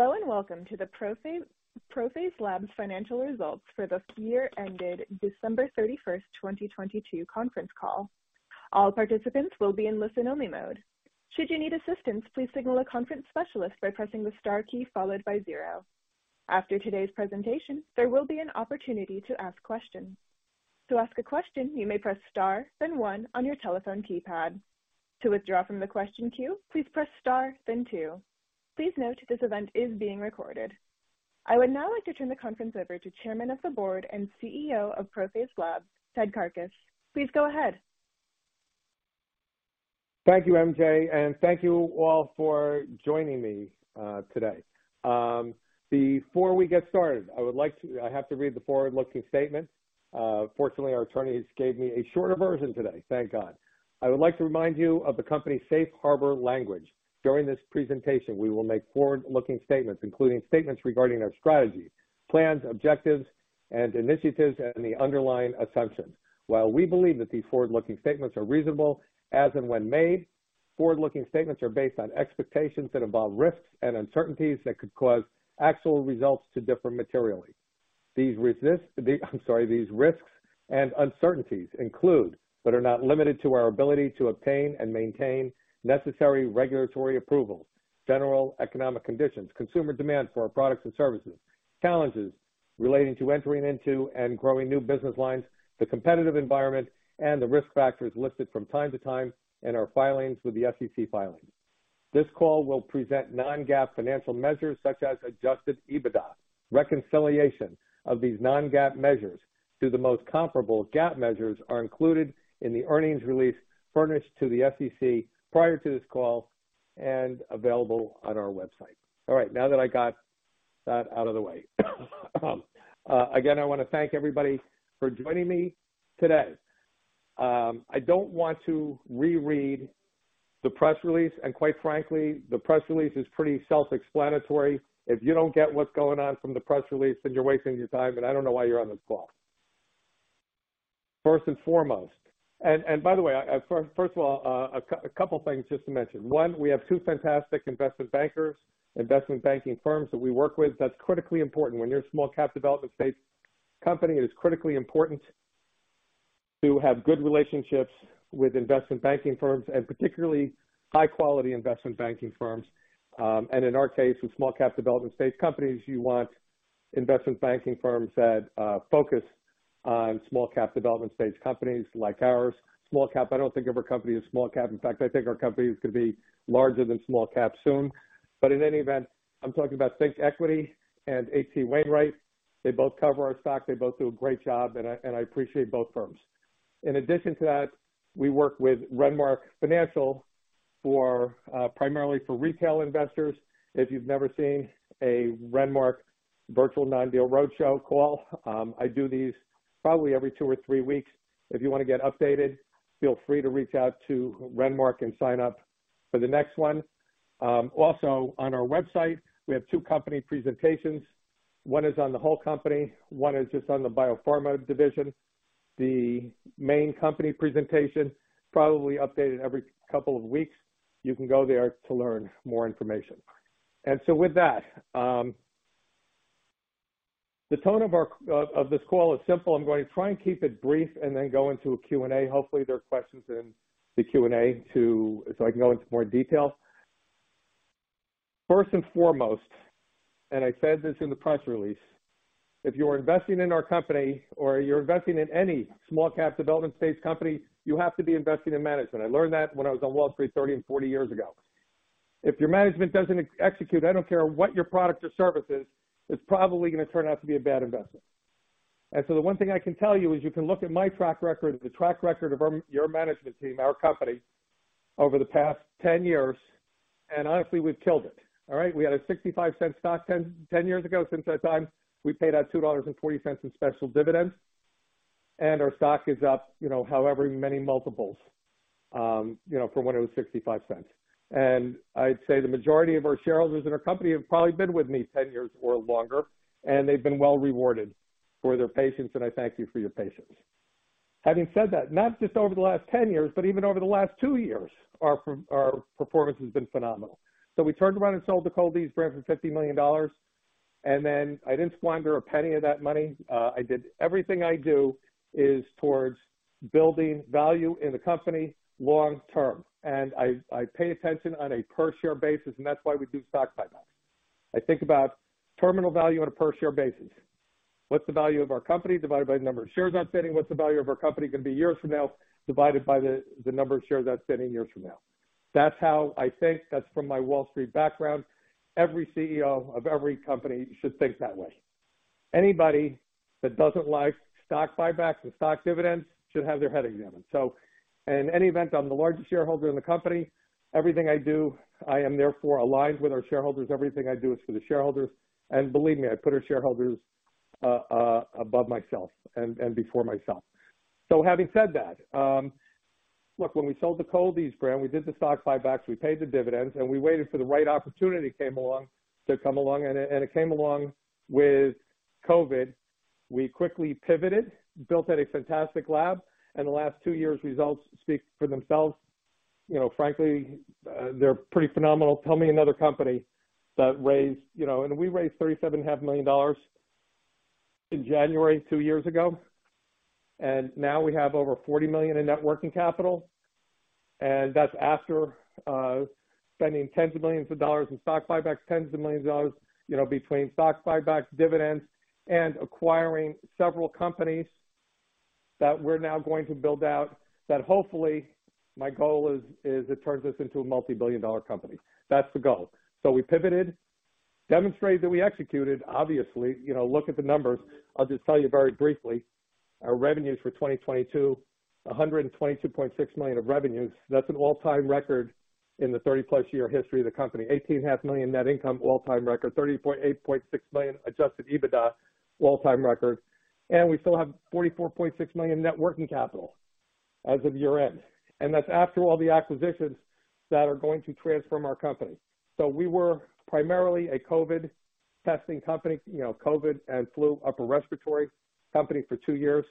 Hello, welcome to the ProPhase Labs financial results for the year ended December 31st, 2022 conference call. All participants will be in listen only mode. Should you need assistance, please signal a conference specialist by pressing the star key followed by zero. After today's presentation, there will be an opportunity to ask questions. To ask a question, you may press star then one on your telephone keypad. To withdraw from the question queue, please press star then two. Please note this event is being recorded. I would now like to turn the conference over to Chairman of the Board and CEO of ProPhase Labs, Ted Karkus. Please go ahead. Thank you, MJ, thank you all for joining me today. Before we get started, I have to read the forward-looking statement. Fortunately, our attorneys gave me a shorter version today. Thank God. I would like to remind you of the company's safe harbor language. During this presentation, we will make forward-looking statements, including statements regarding our strategies, plans, objectives, and initiatives, and the underlying assumptions. While we believe that these forward-looking statements are reasonable as and when made, forward-looking statements are based on expectations that involve risks and uncertainties that could cause actual results to differ materially. I'm sorry. These risks and uncertainties include, but are not limited to, our ability to obtain and maintain necessary regulatory approvals, general economic conditions, consumer demand for our products and services, challenges relating to entering into and growing new business lines, the competitive environment and the risk factors listed from time to time in our filings with the SEC filings. This call will present non-GAAP financial measures such as adjusted EBITDA. Reconciliation of these non-GAAP measures to the most comparable GAAP measures are included in the earnings release furnished to the SEC prior to this call and available on our website. All right. Now that I got that out of the way. Again, I wanna thank everybody for joining me today. I don't want to reread the press release, and quite frankly, the press release is pretty self-explanatory. If you don't get what's going on from the press release, then you're wasting your time, and I don't know why you're on this call. First and foremost. by the way, First of all, a couple things just to mention. One, we have two fantastic investment bankers, investment banking firms that we work with. That's critically important. When you're a small cap development space company, it is critically important to have good relationships with investment banking firms and particularly high-quality investment banking firms. In our case, with small cap development stage companies, you want investment banking firms that focus on small cap development stage companies like ours. Small cap, I don't think of our company as small cap. In fact, I think our company is gonna be larger than small cap soon. In any event, I'm talking about ThinkEquity and H.C. Wainwright. They both cover our stock. They both do a great job, and I appreciate both firms. In addition to that, we work with Renmark Financial for primarily for retail investors. If you've never seen a Renmark virtual non-deal roadshow call, I do these probably every two or three weeks. If you wanna get updated, feel free to reach out to Renmark and sign up for the next one. Also on our website, we have two company presentations. One is on the whole company. One is just on the biopharma division. The main company presentation probably updated every couple of weeks. You can go there to learn more information. With that, the tone of this call is simple. I'm going to try and keep it brief and then go into a Q&A. Hopefully, there are questions in the Q&A so I can go into more detail. First and foremost, I said this in the press release, if you're investing in our company or you're investing in any small cap development stage company, you have to be investing in management. I learned that when I was on Wall Street 30 and 40 years ago. If your management doesn't execute, I don't care what your product or service is, it's probably gonna turn out to be a bad investment. The one thing I can tell you is you can look at my track record, the track record of your management team, our company, over the past 10 years, and honestly, we've killed it. All right? We had a $0.65 stock 10 years ago. Since that time, we paid out $2.40 in special dividends, our stock is up, you know, however many multiples, you know, from when it was $0.65. I'd say the majority of our shareholders in our company have probably been with me 10 years or longer, and they've been well rewarded for their patience, and I thank you for your patience. Having said that, not just over the last 10 years, but even over the last two years, our performance has been phenomenal. We turned around and sold the Cold-EEZE brand for $50 million, I didn't squander a penny of that money. Everything I do is towards building value in the company long term. I pay attention on a per share basis, and that's why we do stock buybacks. I think about terminal value on a per share basis. What's the value of our company divided by the number of shares outstanding? What's the value of our company gonna be years from now divided by the number of shares outstanding years from now? That's how I think. That's from my Wall Street background. Every CEO of every company should think that way. Anybody that doesn't like stock buybacks or stock dividends should have their head examined. In any event, I'm the largest shareholder in the company. Everything I do, I am therefore aligned with our shareholders. Everything I do is for the shareholders. Believe me, I put our shareholders above myself and before myself. Having said that, look, when we sold the Cold-EEZE brand, we did the stock buybacks, we paid the dividends, and we waited for the right opportunity came along to come along, and it came along with COVID. We quickly pivoted, built out a fantastic lab, the last two years' results speak for themselves. You know, frankly, they're pretty phenomenal. You know, we raised $37.5 million in January two years ago, and now we have over $40 million in net working capital. That's after spending tens of millions of dollars in stock buybacks, tens of millions of dollars, you know, between stock buybacks, dividends, and acquiring several companies that we're now going to build out that hopefully my goal is it turns us into a multi-billion dollar company. That's the goal. We pivoted, demonstrated that we executed. Obviously, you know, look at the numbers. I'll just tell you very briefly, our revenues for 2022, $122.6 million of revenues. That's an all-time record in the 30+ year history of the company. $18.5 million net income, all-time record. $38.6 million adjusted EBITDA, all-time record. We still have $44.6 million in net working capital as of year-end. That's after all the acquisitions that are going to transform our company. We were primarily a COVID testing company, you know, COVID and flu upper respiratory company for two years.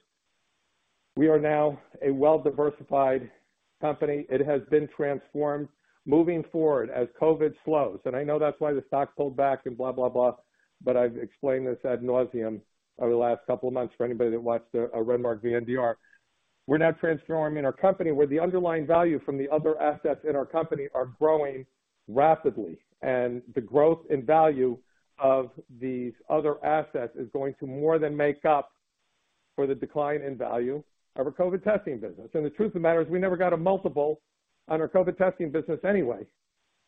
We are now a well-diversified company. It has been transformed. Moving forward, as COVID slows, I know that's why the stock pulled back and blah, blah, I've explained this ad nauseam over the last couple of months for anybody that watched Renmark VNDR. We're now transforming our company where the underlying value from the other assets in our company are growing rapidly, the growth in value of these other assets is going to more than make up for the decline in value of our COVID testing business. The truth of the matter is, we never got a multiple on our COVID testing business anyway.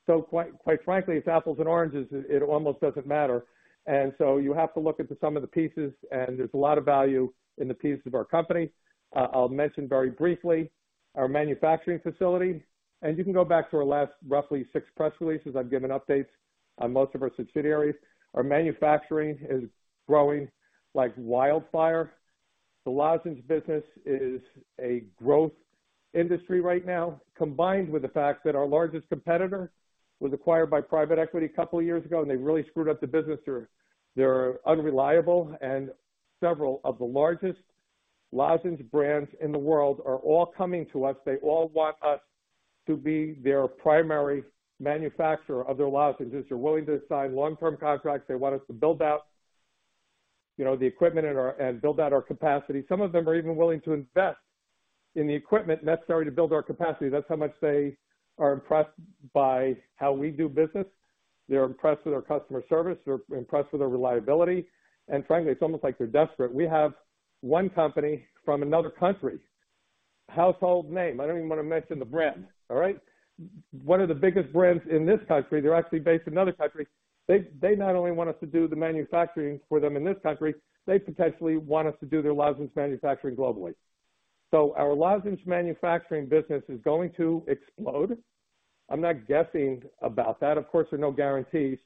Quite frankly, it's apples and oranges. It almost doesn't matter. You have to look into some of the pieces, there's a lot of value in the pieces of our company. I'll mention very briefly our manufacturing facility. You can go back to our last roughly six press releases. I've given updates on most of our subsidiaries. Our manufacturing is growing like wildfire. The lozenges business is a growth industry right now, combined with the fact that our largest competitor was acquired by private equity a couple of years ago, and they really screwed up the business. They're unreliable. Several of the largest lozenge brands in the world are all coming to us. They all want us to be their primary manufacturer of their lozenges. They're willing to sign long-term contracts. They want us to build out, you know, the equipment and build out our capacity. Some of them are even willing to invest in the equipment necessary to build our capacity. That's how much they are impressed by how we do business. They're impressed with our customer service, they're impressed with our reliability. Frankly, it's almost like they're desperate. We have one company from another country, household name. I don't even wanna mention the brand. All right. One of the biggest brands in this country, they're actually based in another country. They not only want us to do the manufacturing for them in this country, they potentially want us to do their lozenge manufacturing globally. Our lozenge manufacturing business is going to explode. I'm not guessing about that. Of course, there are no guarantees.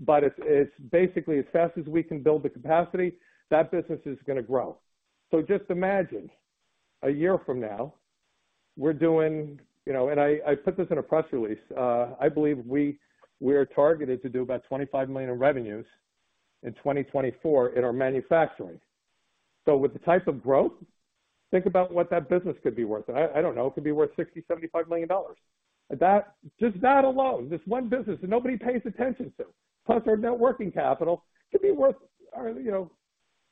But it's basically as fast as we can build the capacity, that business is gonna grow. Just imagine a year from now, we're doing, you know, and I put this in a press release. I believe we are targeted to do about $25 million in revenues in 2024 in our manufacturing. With the type of growth, think about what that business could be worth. I don't know, it could be worth $60 million-$75 million. Just that alone, this one business that nobody pays attention to, plus our net working capital, could be worth, you know,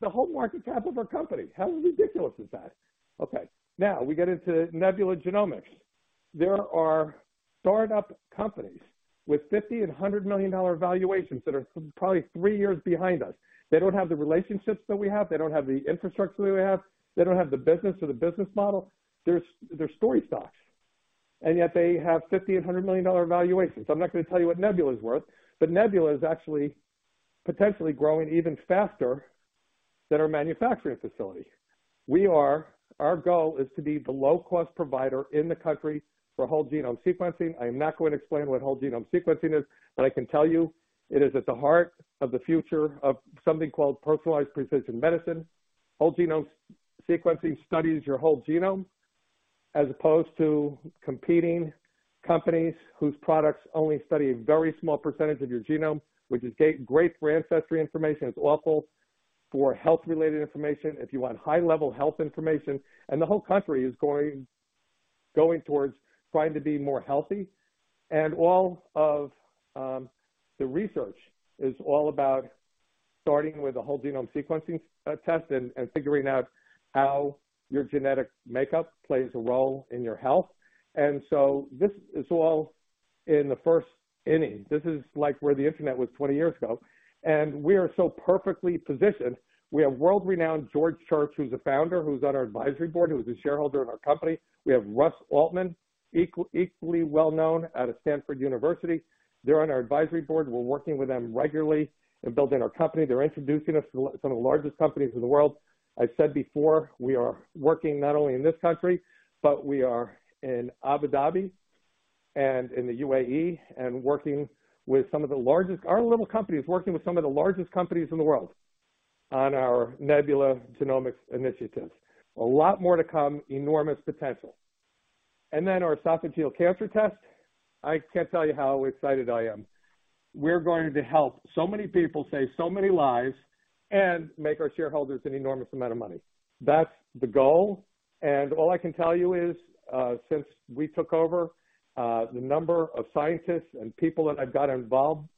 the whole market cap of our company. How ridiculous is that? Okay. Now we get into Nebula Genomics. There are startup companies with $50 million and $100 million valuations that are probably three years behind us. They don't have the relationships that we have. They don't have the infrastructure that we have. They don't have the business or the business model. They're story stocks, and yet they have $50 million and $100 million valuations. I'm not gonna tell you what Nebula is worth. Nebula is actually potentially growing even faster than our manufacturing facility. Our goal is to be the low-cost provider in the country for whole genome sequencing. I am not going to explain what whole genome sequencing is. I can tell you it is at the heart of the future of something called personalized precision medicine. Whole genome sequencing studies your whole genome, as opposed to competing companies whose products only study a very small percentage of your genome, which is great for ancestry information. It's awful for health-related information. If you want high-level health information, the whole country is going towards trying to be more healthy. All of the research is all about starting with a whole genome sequencing test and figuring out how your genetic makeup plays a role in your health. This is all in the first inning. This is like where the internet was 20 years ago. We are so perfectly positioned. We have world-renowned George Church, who's a founder, who's on our advisory board, who is a shareholder in our company. We have Russ Altman, equally well known out of Stanford University. They're on our advisory board. We're working with them regularly in building our company. They're introducing us to some of the largest companies in the world. I said before, we are working not only in this country, but we are in Abu Dhabi and in the UAE and working with some of the largest, our little company is working with some of the largest companies in the world on our Nebula Genomics initiatives. A lot more to come. Enormous potential. Our esophageal cancer test. I can't tell you how excited I am. We're going to help so many people save so many lives and make our shareholders an enormous amount of money. That's the goal. All I can tell you is, since we took over, the number of scientists and people that I've got involved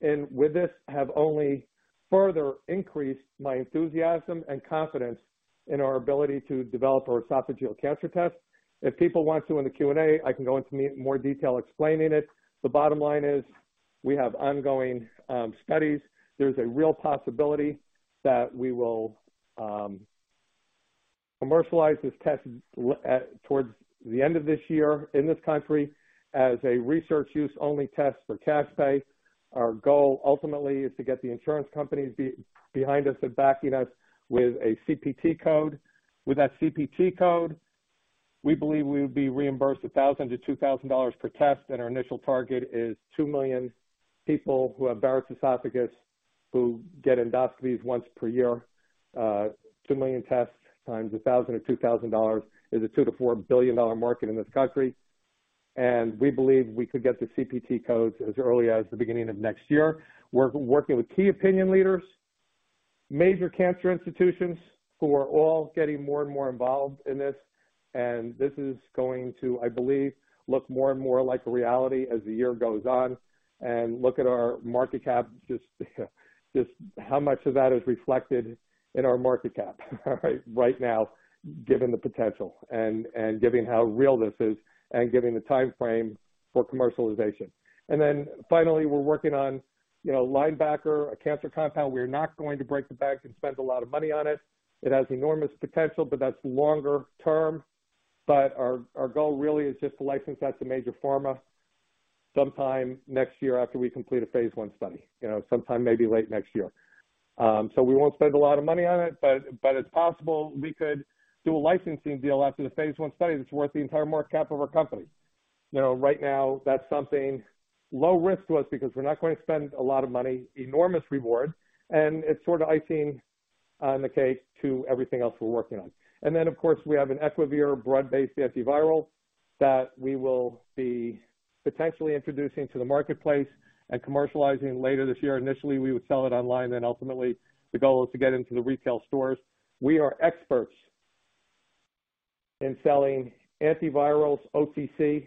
in with this have only further increased my enthusiasm and confidence in our ability to develop our esophageal cancer test. If people want to in the Q&A, I can go into more detail explaining it. The bottom line is we have ongoing studies. There's a real possibility that we will commercialize this test towards the end of this year in this country as a research use only test for cash pay. Our goal ultimately is to get the insurance companies behind us and backing us with a CPT code. With that CPT code, we believe we'll be reimbursed $1,000-$2,000 per test, our initial target is 2 million people who have Barrett's esophagus, who get endoscopies once per year. 2 million tests times $1,000-$2,000 is a $2 billion-$4 billion market in this country. We believe we could get the CPT codes as early as the beginning of next year. We're working with key opinion leaders, major cancer institutions who are all getting more and more involved in this. This is going to, I believe, look more and more like a reality as the year goes on. Look at our market cap, just how much of that is reflected in our market cap, right now, given the potential and given how real this is, and given the timeframe for commercialization. Finally, we're working on, you know, Linebacker, a cancer compound. We're not going to break the bank and spend a lot of money on it. It has enormous potential, but that's longer term. Our goal really is just to license that to major pharma sometime next year after we complete a phase one study. You know, sometime maybe late next year. We won't spend a lot of money on it, but it's possible we could do a licensing deal after the phase I study that's worth the entire market cap of our company. You know, right now, that's something low risk to us because we're not going to spend a lot of money, enormous reward, and it's sort of icing on the cake to everything else we're working on. Of course, we have an Equivir broad-based antiviral that we will be potentially introducing to the marketplace and commercializing later this year. Initially, we would sell it online, ultimately the goal is to get into the retail stores. We are experts in selling antivirals OTC,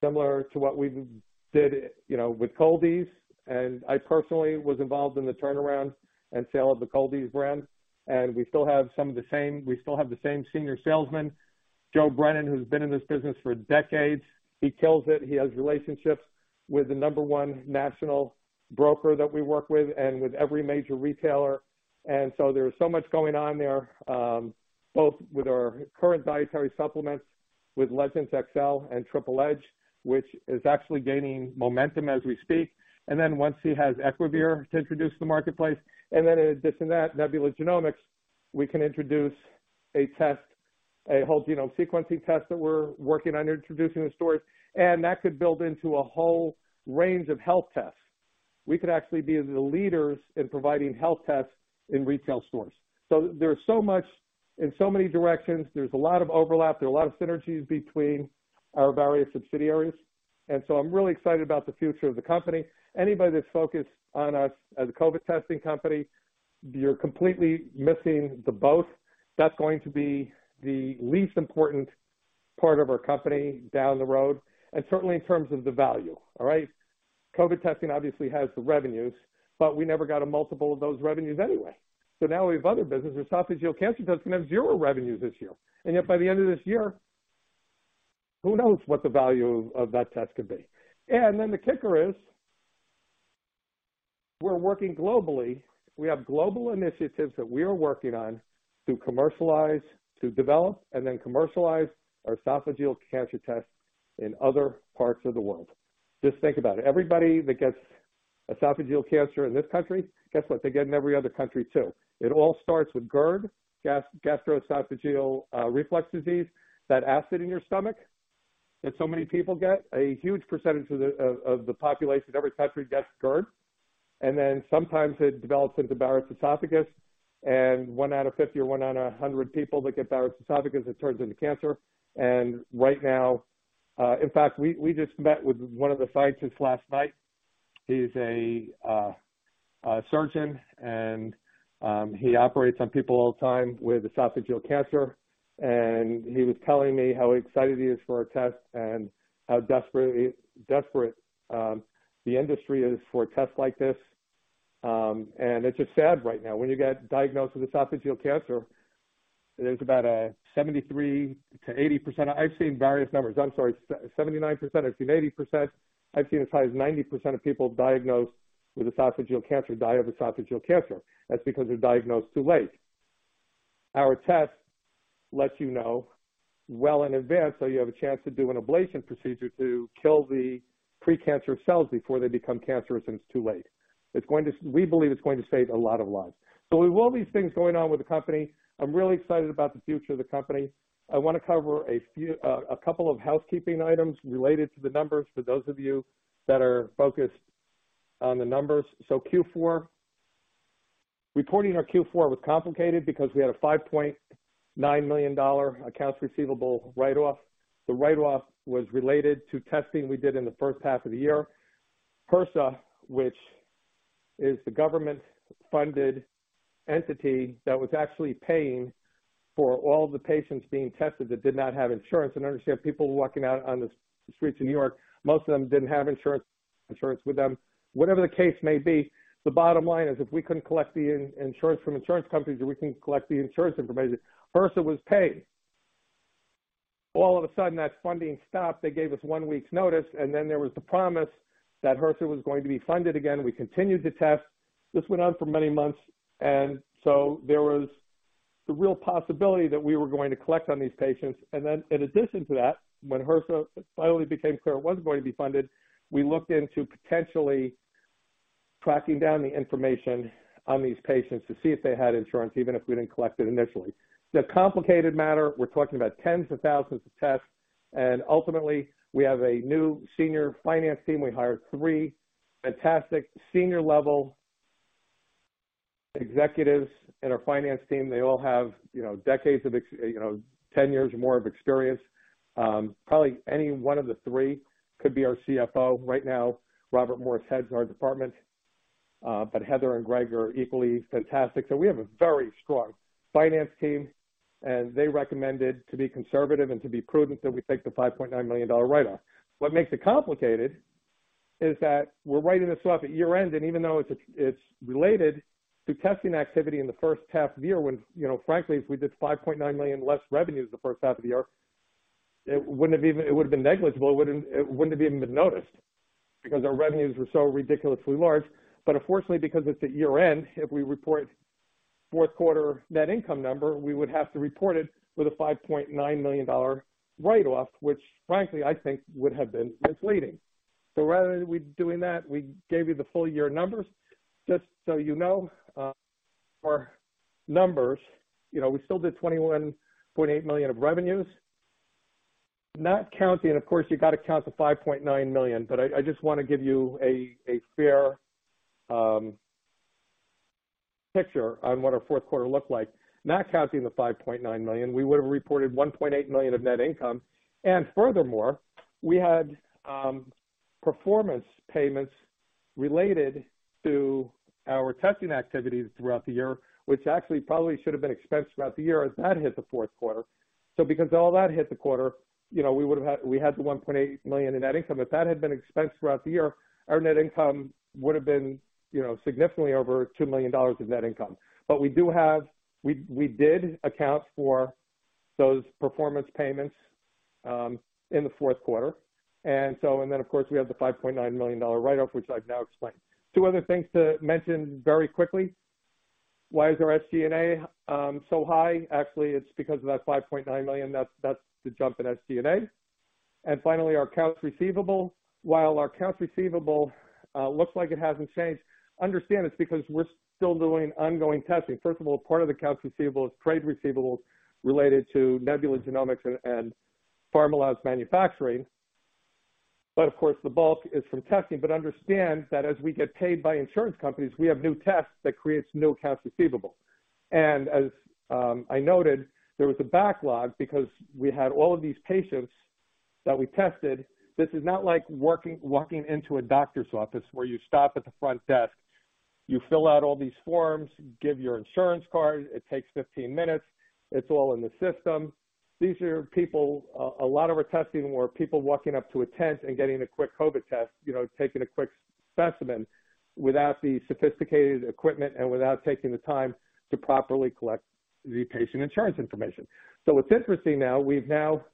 similar to what we did, you know, with Cold-EEZE. I personally was involved in the turnaround and sale of the Cold-EEZE brand. We still have the same senior salesman, Joe Brennan, who's been in this business for decades. He kills it. He has relationships with the number one national broker that we work with and with every major retailer. There's so much going on there, both with our current dietary supplements, with Legendz XL and Triple Edge XL, which is actually gaining momentum as we speak. Once he has Equivir to introduce to the marketplace, in addition to that, Nebula Genomics, we can introduce a test, a whole genome sequencing test that we're working on introducing in stores, and that could build into a whole range of health tests. We could actually be the leaders in providing health tests in retail stores. There's so much in so many directions. There's a lot of overlap. There are a lot of synergies between our various subsidiaries. I'm really excited about the future of the company. Anybody that's focused on us as a COVID testing company, you're completely missing the boat. That's going to be the least important part of our company down the road, and certainly in terms of the value. All right? COVID testing obviously has the revenues, but we never got a multiple of those revenues anyway. Now we have other businesses. esophageal cancer doesn't have zero revenues this year. Yet by the end of this year, who knows what the value of that test could be. Then the kicker is, we're working globally. We have global initiatives that we are working on to commercialize, to develop, and then commercialize our esophageal cancer test in other parts of the world. Just think about it. Everybody that gets esophageal cancer in this country, guess what? They get in every other country too. It all starts with GERD, gastroesophageal reflux disease. That acid in your stomach that so many people get, a huge percentage of the population in every country gets GERD. Sometimes it develops into Barrett's esophagus, and one out of 50 or one out of 100 people that get Barrett's esophagus, it turns into cancer. Right now, in fact, we just met with one of the scientists last night. He's a surgeon, and he operates on people all the time with esophageal cancer. He was telling me how excited he is for our test and how desperate the industry is for a test like this. It's just sad right now. When you get diagnosed with esophageal cancer, there's about a 73%-80%. I've seen various numbers. I'm sorry. 79%. I've seen 80%. I've seen as high as 90% of people diagnosed with esophageal cancer die of esophageal cancer. That's because they're diagnosed too late. Our test lets you know well in advance, so you have a chance to do an ablation procedure to kill the pre-cancer cells before they become cancerous, and it's too late. We believe it's going to save a lot of lives. With all these things going on with the company, I'm really excited about the future of the company. I wanna cover a few, a couple of housekeeping items related to the numbers for those of you that are focused on the numbers. So Q4, reporting our Q4 was complicated because we had a $5.9 million accounts receivable write-off. The write-off was related to testing we did in the first half of the year. HRSA, which is the government-funded entity that was actually paying for all the patients being tested that did not have insurance, and understand people walking out on the streets of New York, most of them didn't have insurance with them. Whatever the case may be, the bottom line is if we couldn't collect the insurance from insurance companies and we couldn't collect the insurance information, HRSA was paid. All of a sudden, that funding stopped. They gave us one week's notice, there was the promise that HRSA was going to be funded again. We continued to test. This went on for many months. There was the real possibility that we were going to collect on these patients. In addition to that, when HRSA finally became clear it wasn't going to be funded, we looked into potentially tracking down the information on these patients to see if they had insurance, even if we didn't collect it initially. It's a complicated matter. We're talking about tens of thousands of tests, and ultimately, we have a new senior finance team. We hired three fantastic senior level executives in our finance team. They all have, you know, decades of, you know, ten years or more of experience. Probably any one of the three could be our CFO right now. Robert Morris heads our department, but Heather and Greg are equally fantastic. We have a very strong finance team, and they recommended to be conservative and to be prudent that we take the $5.9 million write-off. What makes it complicated is that we're writing this off at year-end, and even though it's related to testing activity in the first half of the year, when, you know, frankly, if we did $5.9 million less revenues the first half of the year, it wouldn't have even. It would have been negligible. It wouldn't have even been noticed because our revenues were so ridiculously large. Unfortunately, because it's at year-end, if we report fourth quarter net income number, we would have to report it with a $5.9 million write-off, which frankly, I think would have been misleading. Rather than we doing that, we gave you the full year numbers. Just so you know, our numbers, you know, we still did $21.8 million of revenues. Not counting, of course you got to count the $5.9 million, but I just wanna give you a fair picture on what our fourth quarter looked like. Not counting the $5.9 million, we would have reported $1.8 million of net income. Furthermore, we had performance payments related to our testing activities throughout the year, which actually probably should have been expensed throughout the year as that hit the fourth quarter. Because all that hit the quarter, you know, we had the $1.8 million in net income. If that had been expensed throughout the year, our net income would have been, you know, significantly over $2 million of net income. We did account for those performance payments in the fourth quarter. Of course, we have the $5.9 million write-off, which I've now explained. Two other things to mention very quickly. Why is our SG&A so high? Actually, it's because of that $5.9 million. That's the jump in SG&A. Finally, our accounts receivable. While our accounts receivable looks like it hasn't changed, understand it's because we're still doing ongoing testing. First of all, part of the accounts receivable is trade receivables related to Nebula Genomics and Pharmaloz Manufacturing. Of course, the bulk is from testing. Understand that as we get paid by insurance companies, we have new tests that creates new accounts receivable. As I noted, there was a backlog because we had all of these patients that we tested. This is not like walking into a doctor's office where you stop at the front desk, you fill out all these forms, give your insurance card, it takes 15 minutes, it's all in the system. These are people, a lot of our testing were people walking up to a tent and getting a quick COVID test, you know, taking a quick specimen without the sophisticated equipment and without taking the time to properly collect the patient insurance information. What's interesting now, we've now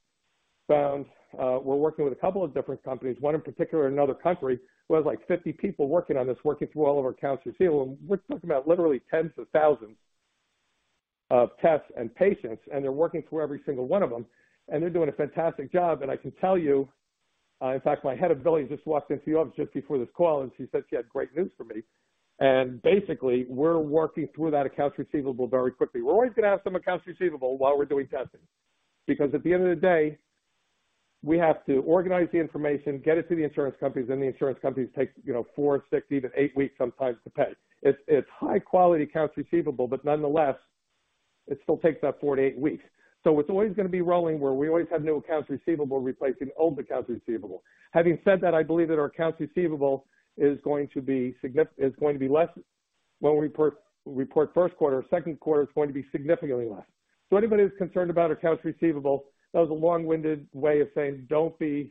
found, we're working with a couple of different companies, one in particular in another country, who has, like, 50 people working on this, working through all of our accounts receivable. We're talking about literally tens of thousands of tests and patients, and they're working through every single one of them, and they're doing a fantastic job. I can tell you, in fact, my head of billing just walked into the office just before this call, and she said she had great news for me. Basically, we're working through that accounts receivable very quickly. We're always gonna have some accounts receivable while we're doing testing, because at the end of the day, we have to organize the information, get it to the insurance companies, and the insurance companies take, you know, four, six, even eight weeks sometimes to pay. It's high quality accounts receivable, but nonetheless, it still takes that four to eight weeks. It's always gonna be rolling where we always have new accounts receivable replacing old accounts receivable. Having said that, I believe that our accounts receivable is going to be less when we report first quarter or second quarter, it's going to be significantly less. Anybody who's concerned about our accounts receivable, that was a long-winded way of saying don't be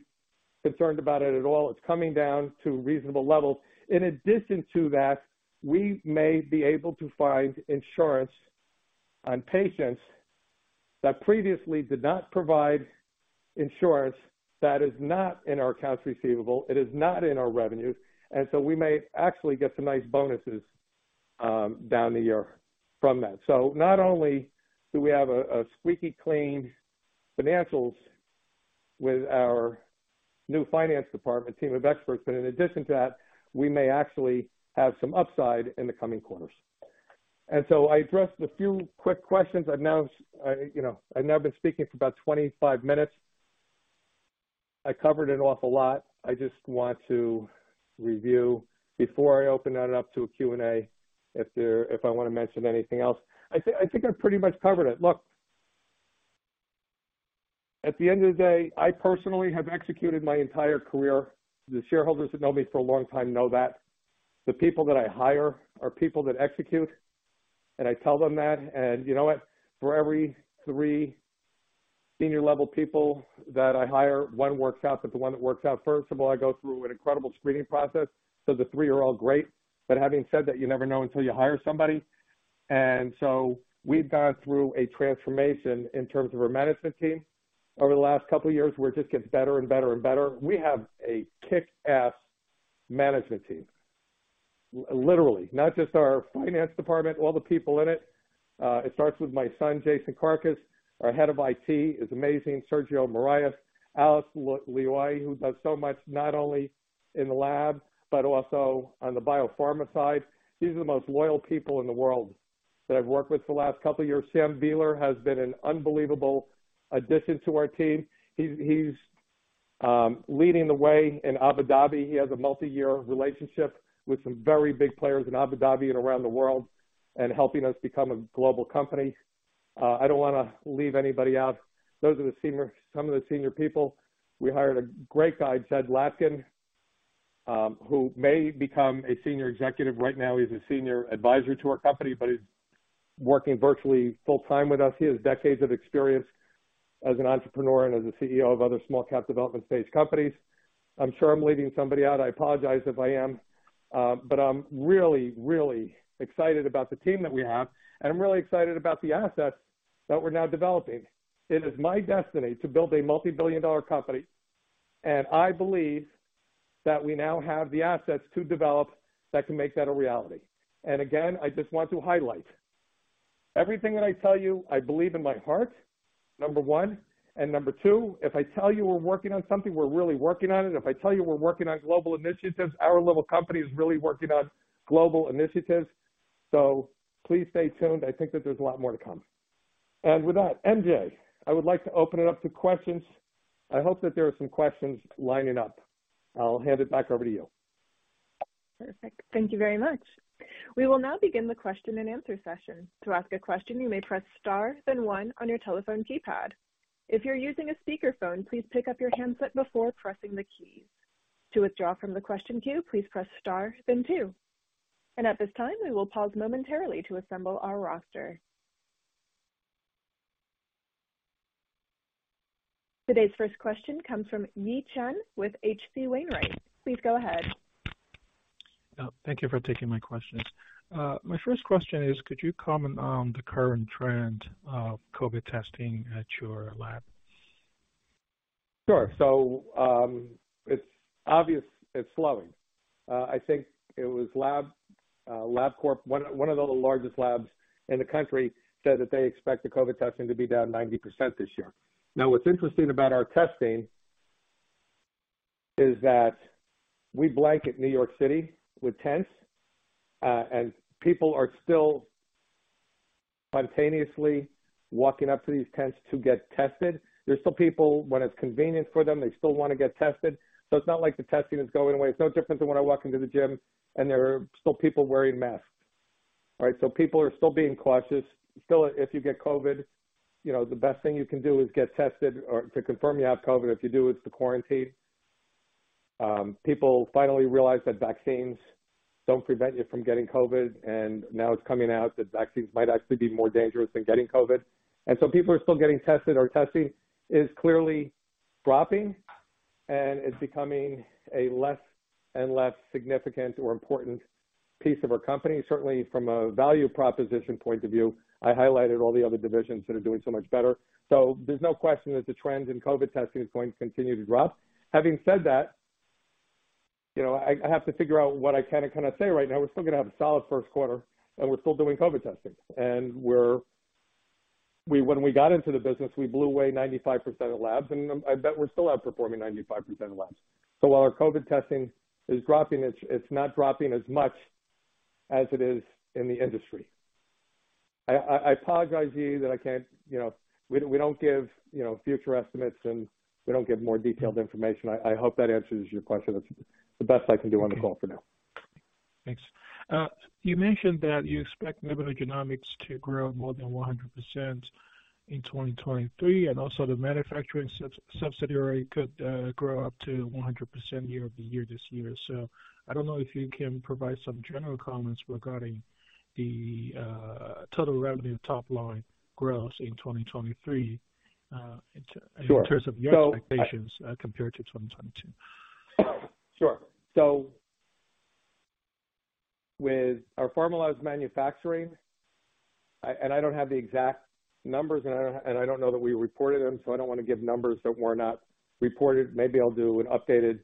concerned about it at all. It's coming down to reasonable levels. In addition to that, we may be able to find insurance on patients that previously did not provide insurance that is not in our accounts receivable, it is not in our revenues, we may actually get some nice bonuses down the year from that. Not only do we have a squeaky clean financials with our new finance department team of experts, but in addition to that, we may actually have some upside in the coming quarters. I addressed a few quick questions. I've now, you know, I've now been speaking for about 25 minutes. I covered an awful lot. I just want to review before I open that up to a Q&A if I wanna mention anything else. I think I pretty much covered it. Look, at the end of the day, I personally have executed my entire career. The shareholders that know me for a long time know that. The people that I hire are people that execute, and I tell them that. You know what? For every three senior level people that I hire, one works out, but the one that works out, first of all, I go through an incredible screening process, so the three are all great. Having said that, you never know until you hire somebody. We've gone through a transformation in terms of our management team over the last couple of years, where it just gets better and better and better. We have a kickass management team, literally. Not just our finance department, all the people in it. It starts with my son, Jason Karkus. Our head of IT is amazing. Sergio Miralles. Alice Lioi, who does so much not only in the lab, but also on the biopharma side. These are the most loyal people in the world that I've worked with for the last couple of years. Sam Beeler has been an unbelievable addition to our team. He's leading the way in Abu Dhabi. He has a multi-year relationship with some very big players in Abu Dhabi and around the world and helping us become a global company. I don't wanna leave anybody out. Those are some of the senior people. We hired a great guy, Jed Latkin, who may become a senior executive. Right now, he's a senior advisor to our company, but he's working virtually full-time with us. He has decades of experience as an entrepreneur and as a CEO of other small cap development phase companies. I'm sure I'm leaving somebody out. I apologize if I am. I'm really excited about the team that we have, and I'm really excited about the assets that we're now developing. It is my destiny to build a multi-billion dollar company, and I believe that we now have the assets to develop that can make that a reality. Again, I just want to highlight. Everything that I tell you, I believe in my heart, number one. Number two, if I tell you we're working on something, we're really working on it. If I tell you we're working on global initiatives, our little company is really working on global initiatives. Please stay tuned. I think that there's a lot more to come. With that, MJ, I would like to open it up to questions. I hope that there are some questions lining up. I'll hand it back over to you. Perfect. Thank you very much. We will now begin the question and answer session. To ask a question, you may press star, then one on your telephone keypad. If you're using a speakerphone, please pick up your handset before pressing the keys. To withdraw from the question queue, please press star, then two. At this time, we will pause momentarily to assemble our roster. Today's first question comes from Yi Chen with H.C. Wainwright. Please go ahead. Thank you for taking my questions. My first question is, could you comment on the current trend of COVID testing at your lab? Sure. It's obvious it's slowing. I think it was Labcorp, one of the largest labs in the country, said that they expect the COVID testing to be down 90% this year. What's interesting about our testing is that we blanket New York City with tents, and people are still spontaneously walking up to these tents to get tested. There's still people, when it's convenient for them, they still wanna get tested. It's not like the testing is going away. It's no different than when I walk into the gym and there are still people wearing masks. All right? People are still being cautious. If you get COVID, you know, the best thing you can do is get tested or to confirm you have COVID. If you do, it's to quarantine. People finally realize that vaccines don't prevent you from getting COVID, and now it's coming out that vaccines might actually be more dangerous than getting COVID. People are still getting tested. Our testing is clearly dropping, and it's becoming a less and less significant or important piece of our company. Certainly from a value proposition point of view, I highlighted all the other divisions that are doing so much better. There's no question that the trend in COVID testing is going to continue to drop. Having said that, you know, I have to figure out what I can and cannot say right now. We're still gonna have a solid first quarter, and we're still doing COVID testing. When we got into the business, we blew away 95% of labs, and I bet we're still outperforming 95% of labs. While our COVID testing is dropping, it's not dropping as much as it is in the industry. I apologize to you that I can't. You know, we don't give, you know, future estimates, and we don't give more detailed information. I hope that answers your question. That's the best I can do on the call for now. Thanks. You mentioned that you expect Nebula Genomics to grow more than 100% in 2023, and also the manufacturing sub-subsidiary could grow up to 100% year-over-year this year. I don't know if you can provide some general comments regarding the total revenue top line growth in 2023 in terms of your expectations compared to 2022? Sure. With our Pharmaloz manufacturing, and I don't have the exact numbers, and I don't know that we reported them, so I don't want to give numbers that were not reported. Maybe I'll do an updated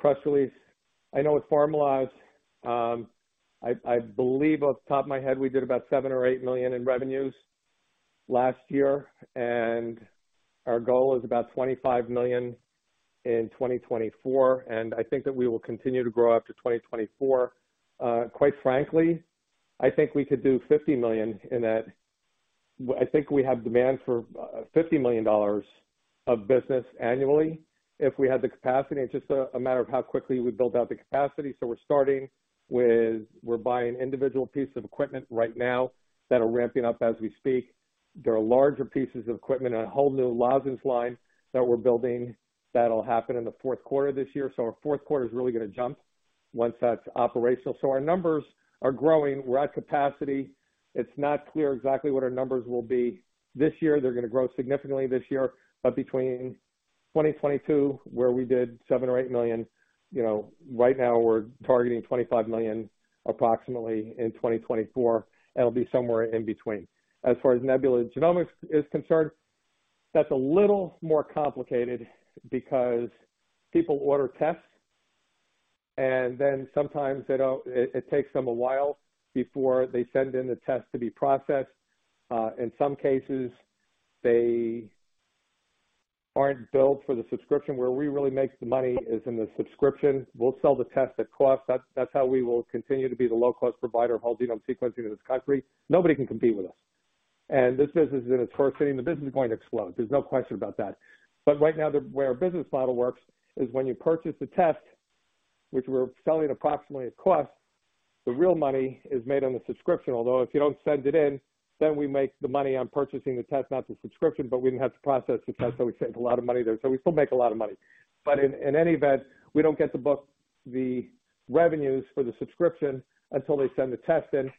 press release. I know with Pharmaloz, I believe off the top of my head, we did about $7 million or $8 million in revenues last year, and our goal is about $25 million in 2024. I think that we will continue to grow after 2024. Quite frankly, I think we could do $50 million I think we have demand for $50 million of business annually if we had the capacity. It's just a matter of how quickly we build out the capacity. We're buying individual pieces of equipment right now that are ramping up as we speak. There are larger pieces of equipment and a whole new lozenges line that we're building that'll happen in the fourth quarter this year. Our fourth quarter is really gonna jump once that's operational. Our numbers are growing. We're at capacity. It's not clear exactly what our numbers will be this year. They're gonna grow significantly this year, but between 2022, where we did $7 million-$8 million, you know, right now we're targeting $25 million approximately in 2024. It'll be somewhere in between. As far as Nebula Genomics is concerned, that's a little more complicated because people order tests and then sometimes it takes them a while before they send in the test to be processed. In some cases, they aren't billed for the subscription. Where we really make the money is in the subscription. We'll sell the test at cost. That's how we will continue to be the low-cost provider of whole genome sequencing in this country. Nobody can compete with us. This business is in its first inning. The business is going to explode. There's no question about that. Right now, where our business model works is when you purchase a test, which we're selling approximately at cost, the real money is made on the subscription. Although if you don't send it in, then we make the money on purchasing the test, not the subscription, but we didn't have to process the test, so we saved a lot of money there. We still make a lot of money. In any event, we don't get to book the revenues for the subscription until they send the test in.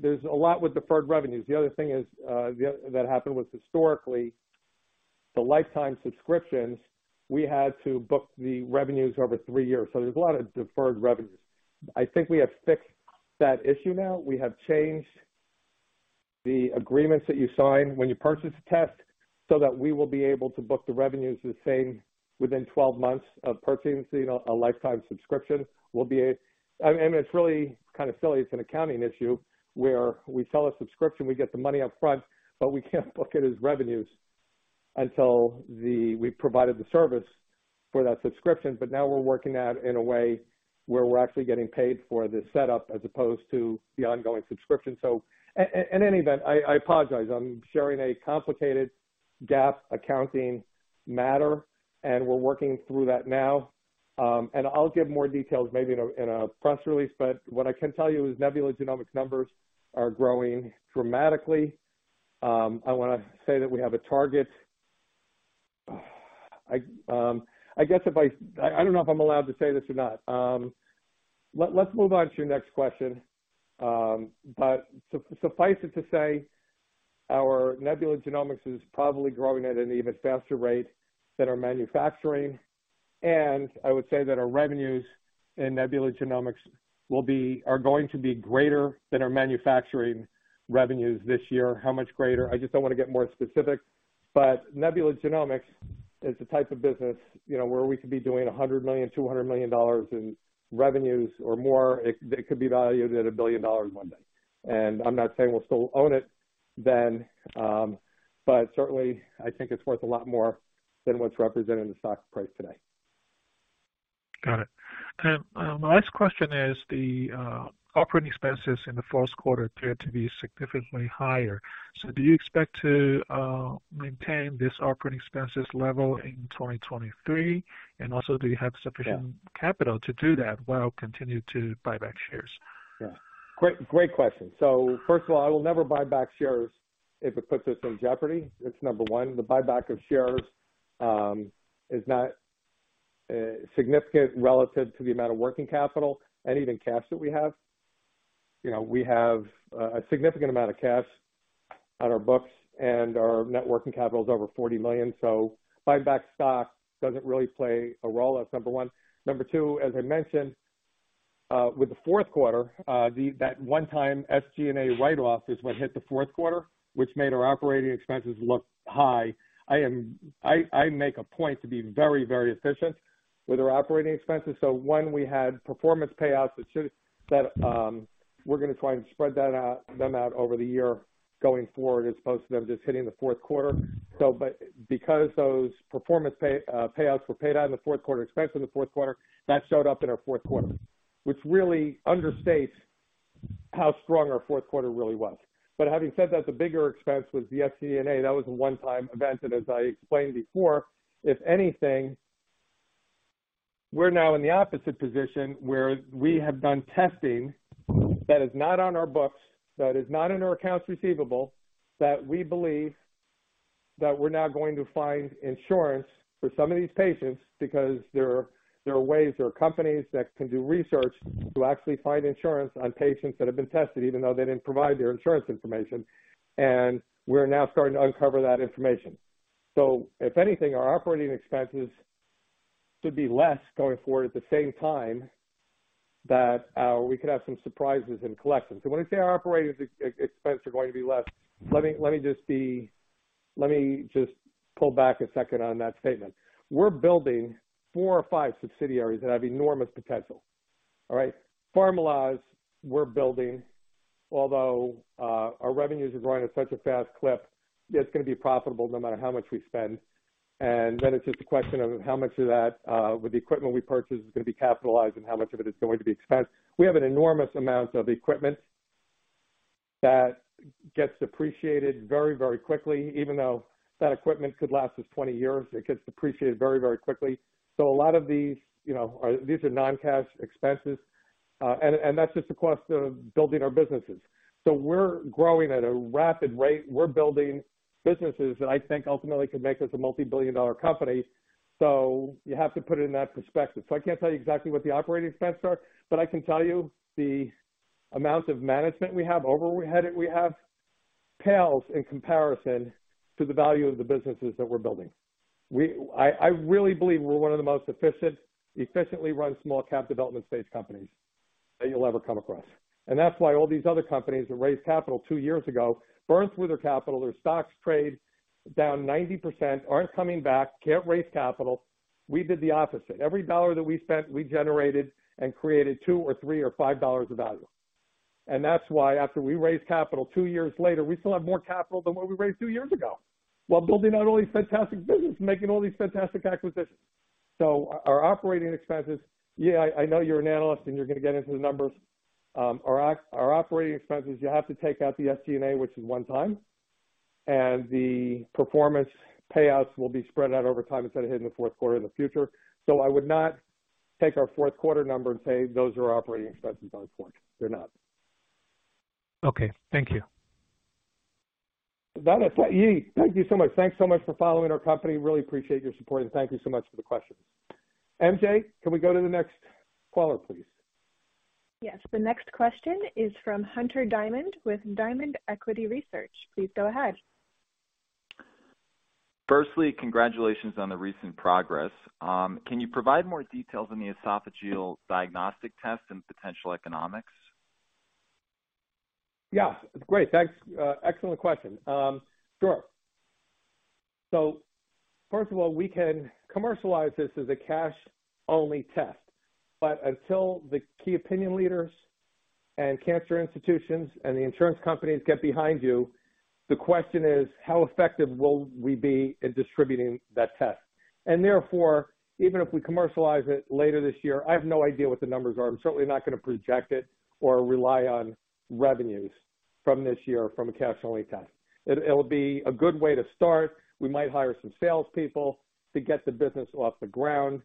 There's a lot with deferred revenues. The other thing is that happened was historically, the lifetime subscriptions, we had to book the revenues over three years. There's a lot of deferred revenues. I think we have fixed that issue now. We have changed the agreements that you sign when you purchase a test so that we will be able to book the revenues the same within 12 months of purchasing, so, you know, a lifetime subscription. I mean, it's really kind of silly. It's an accounting issue where we sell a subscription, we get the money up front, but we can't book it as revenues until we've provided the service for that subscription. Now we're working that in a way where we're actually getting paid for the setup as opposed to the ongoing subscription. In any event, I apologize. I'm sharing a complicated GAAP accounting matter, and we're working through that now. I'll give more details maybe in a press release. What I can tell you is Nebula Genomics numbers are growing dramatically. I wanna say that we have a target. I guess if I don't know if I'm allowed to say this or not. Let's move on to your next question. Suffice it to say, our Nebula Genomics is probably growing at an even faster rate than our manufacturing. I would say that our revenues in Nebula Genomics are going to be greater than our manufacturing revenues this year. How much greater? I just don't wanna get more specific. But, Nebula Genomics is the type of business, you know, where we could be doing $100 million, $200 million in revenues or more. They could be valued at $1 billion one day. I'm not saying we'll still own it then, but certainly I think it's worth a lot more than what's represented in the stock price today. Got it. My last question is the operating expenses in the first quarter appeared to be significantly higher. Do you expect to maintain this operating expenses level in 2023? Also, do you have sufficient capital to do that while continue to buy back shares? Yeah. Great question. First of all, I will never buy back shares if it puts us in jeopardy. It's number one. The buyback of shares is not significant relative to the amount of working capital and even cash that we have. You know, we have a significant amount of cash on our books and our net working capital is over $40 million. Buying back stock doesn't really play a role. That's number one. Number two, as I mentioned, with the fourth quarter, that one-time SG&A write-off is what hit the fourth quarter, which made our operating expenses look high. I make a point to be very efficient with our operating expenses. When we had performance payouts that we're gonna try and spread that out, them out over the year going forward as opposed to them just hitting the fourth quarter. Because those performance payouts were paid out in the fourth quarter, expense in the fourth quarter, that showed up in our fourth quarter, which really understates how strong our fourth quarter really was. Having said that, the bigger expense was the SG&A. That was a one-time event. As I explained before, if anything, we're now in the opposite position where we have done testing that is not on our books, that is not in our accounts receivable, that we believe that we're now going to find insurance for some of these patients because there are ways, there are companies that can do research to actually find insurance on patients that have been tested even though they didn't provide their insurance information. We're now starting to uncover that information. If anything, our operating expense are going to be less, let me just pull back a second on that statement. We're building four or five subsidiaries that have enormous potential. All right? Pharmaloz, we're building, although our revenues are growing at such a fast clip, it's gonna be profitable no matter how much we spend. It's just a question of how much of that, with the equipment we purchase, is gonna be capitalized and how much of it is going to be expensed. We have an enormous amount of equipment that gets depreciated very, very quickly. Even though that equipment could last us 20 years, it gets depreciated very, very quickly. A lot of these, you know, are non-cash expenses. That's just the cost of building our businesses. We're growing at a rapid rate. We're building businesses that I think ultimately could make us a multi-billion dollar company. You have to put it in that perspective. I can't tell you exactly what the operating expenses are, but I can tell you the amount of management we have, overhead that we have, pales in comparison to the value of the businesses that we're building. I really believe we're one of the most efficient, efficiently run small cap development stage companies that you'll ever come across. That's why all these other companies that raised capital two years ago, burned through their capital, their stocks trade down 90%, aren't coming back, can't raise capital. We did the opposite. Every dollar that we spent, we generated and created $2 or $3 or $5 of value. That's why after we raised capital, two years later, we still have more capital than what we raised two years ago, while building out all these fantastic businesses, making all these fantastic acquisitions. So, our operating expenses, yeah, I know you're an analyst and you're gonna get into the numbers. Our operating expenses, you have to take out the SG&A, which is one time, and the performance payouts will be spread out over time instead of hitting the fourth quarter in the future. I would not take our fourth quarter number and say, those are our operating expenses going forward. They're not. Okay, thank you. Got it. Yi, thank you so much. Thanks so much for following our company. Really appreciate your support, and thank you so much for the question. MJ, can we go to the next caller, please? Yes. The next question is from Hunter Diamond with Diamond Equity Research. Please go ahead. Firstly, congratulations on the recent progress. Can you provide more details on the esophageal diagnostic test and potential economics? Yeah. Great. Thanks. Excellent question. Sure. First of all, we can commercialize this as a cash-only test, but until the key opinion leaders and cancer institutions and the insurance companies get behind you, the question is, how effective will we be in distributing that test? Therefore, even if we commercialize it later this year, I have no idea what the numbers are. I'm certainly not gonna project it or rely on revenues from this year from a cash-only test. It'll be a good way to start. We might hire some sales people to get the business off the ground,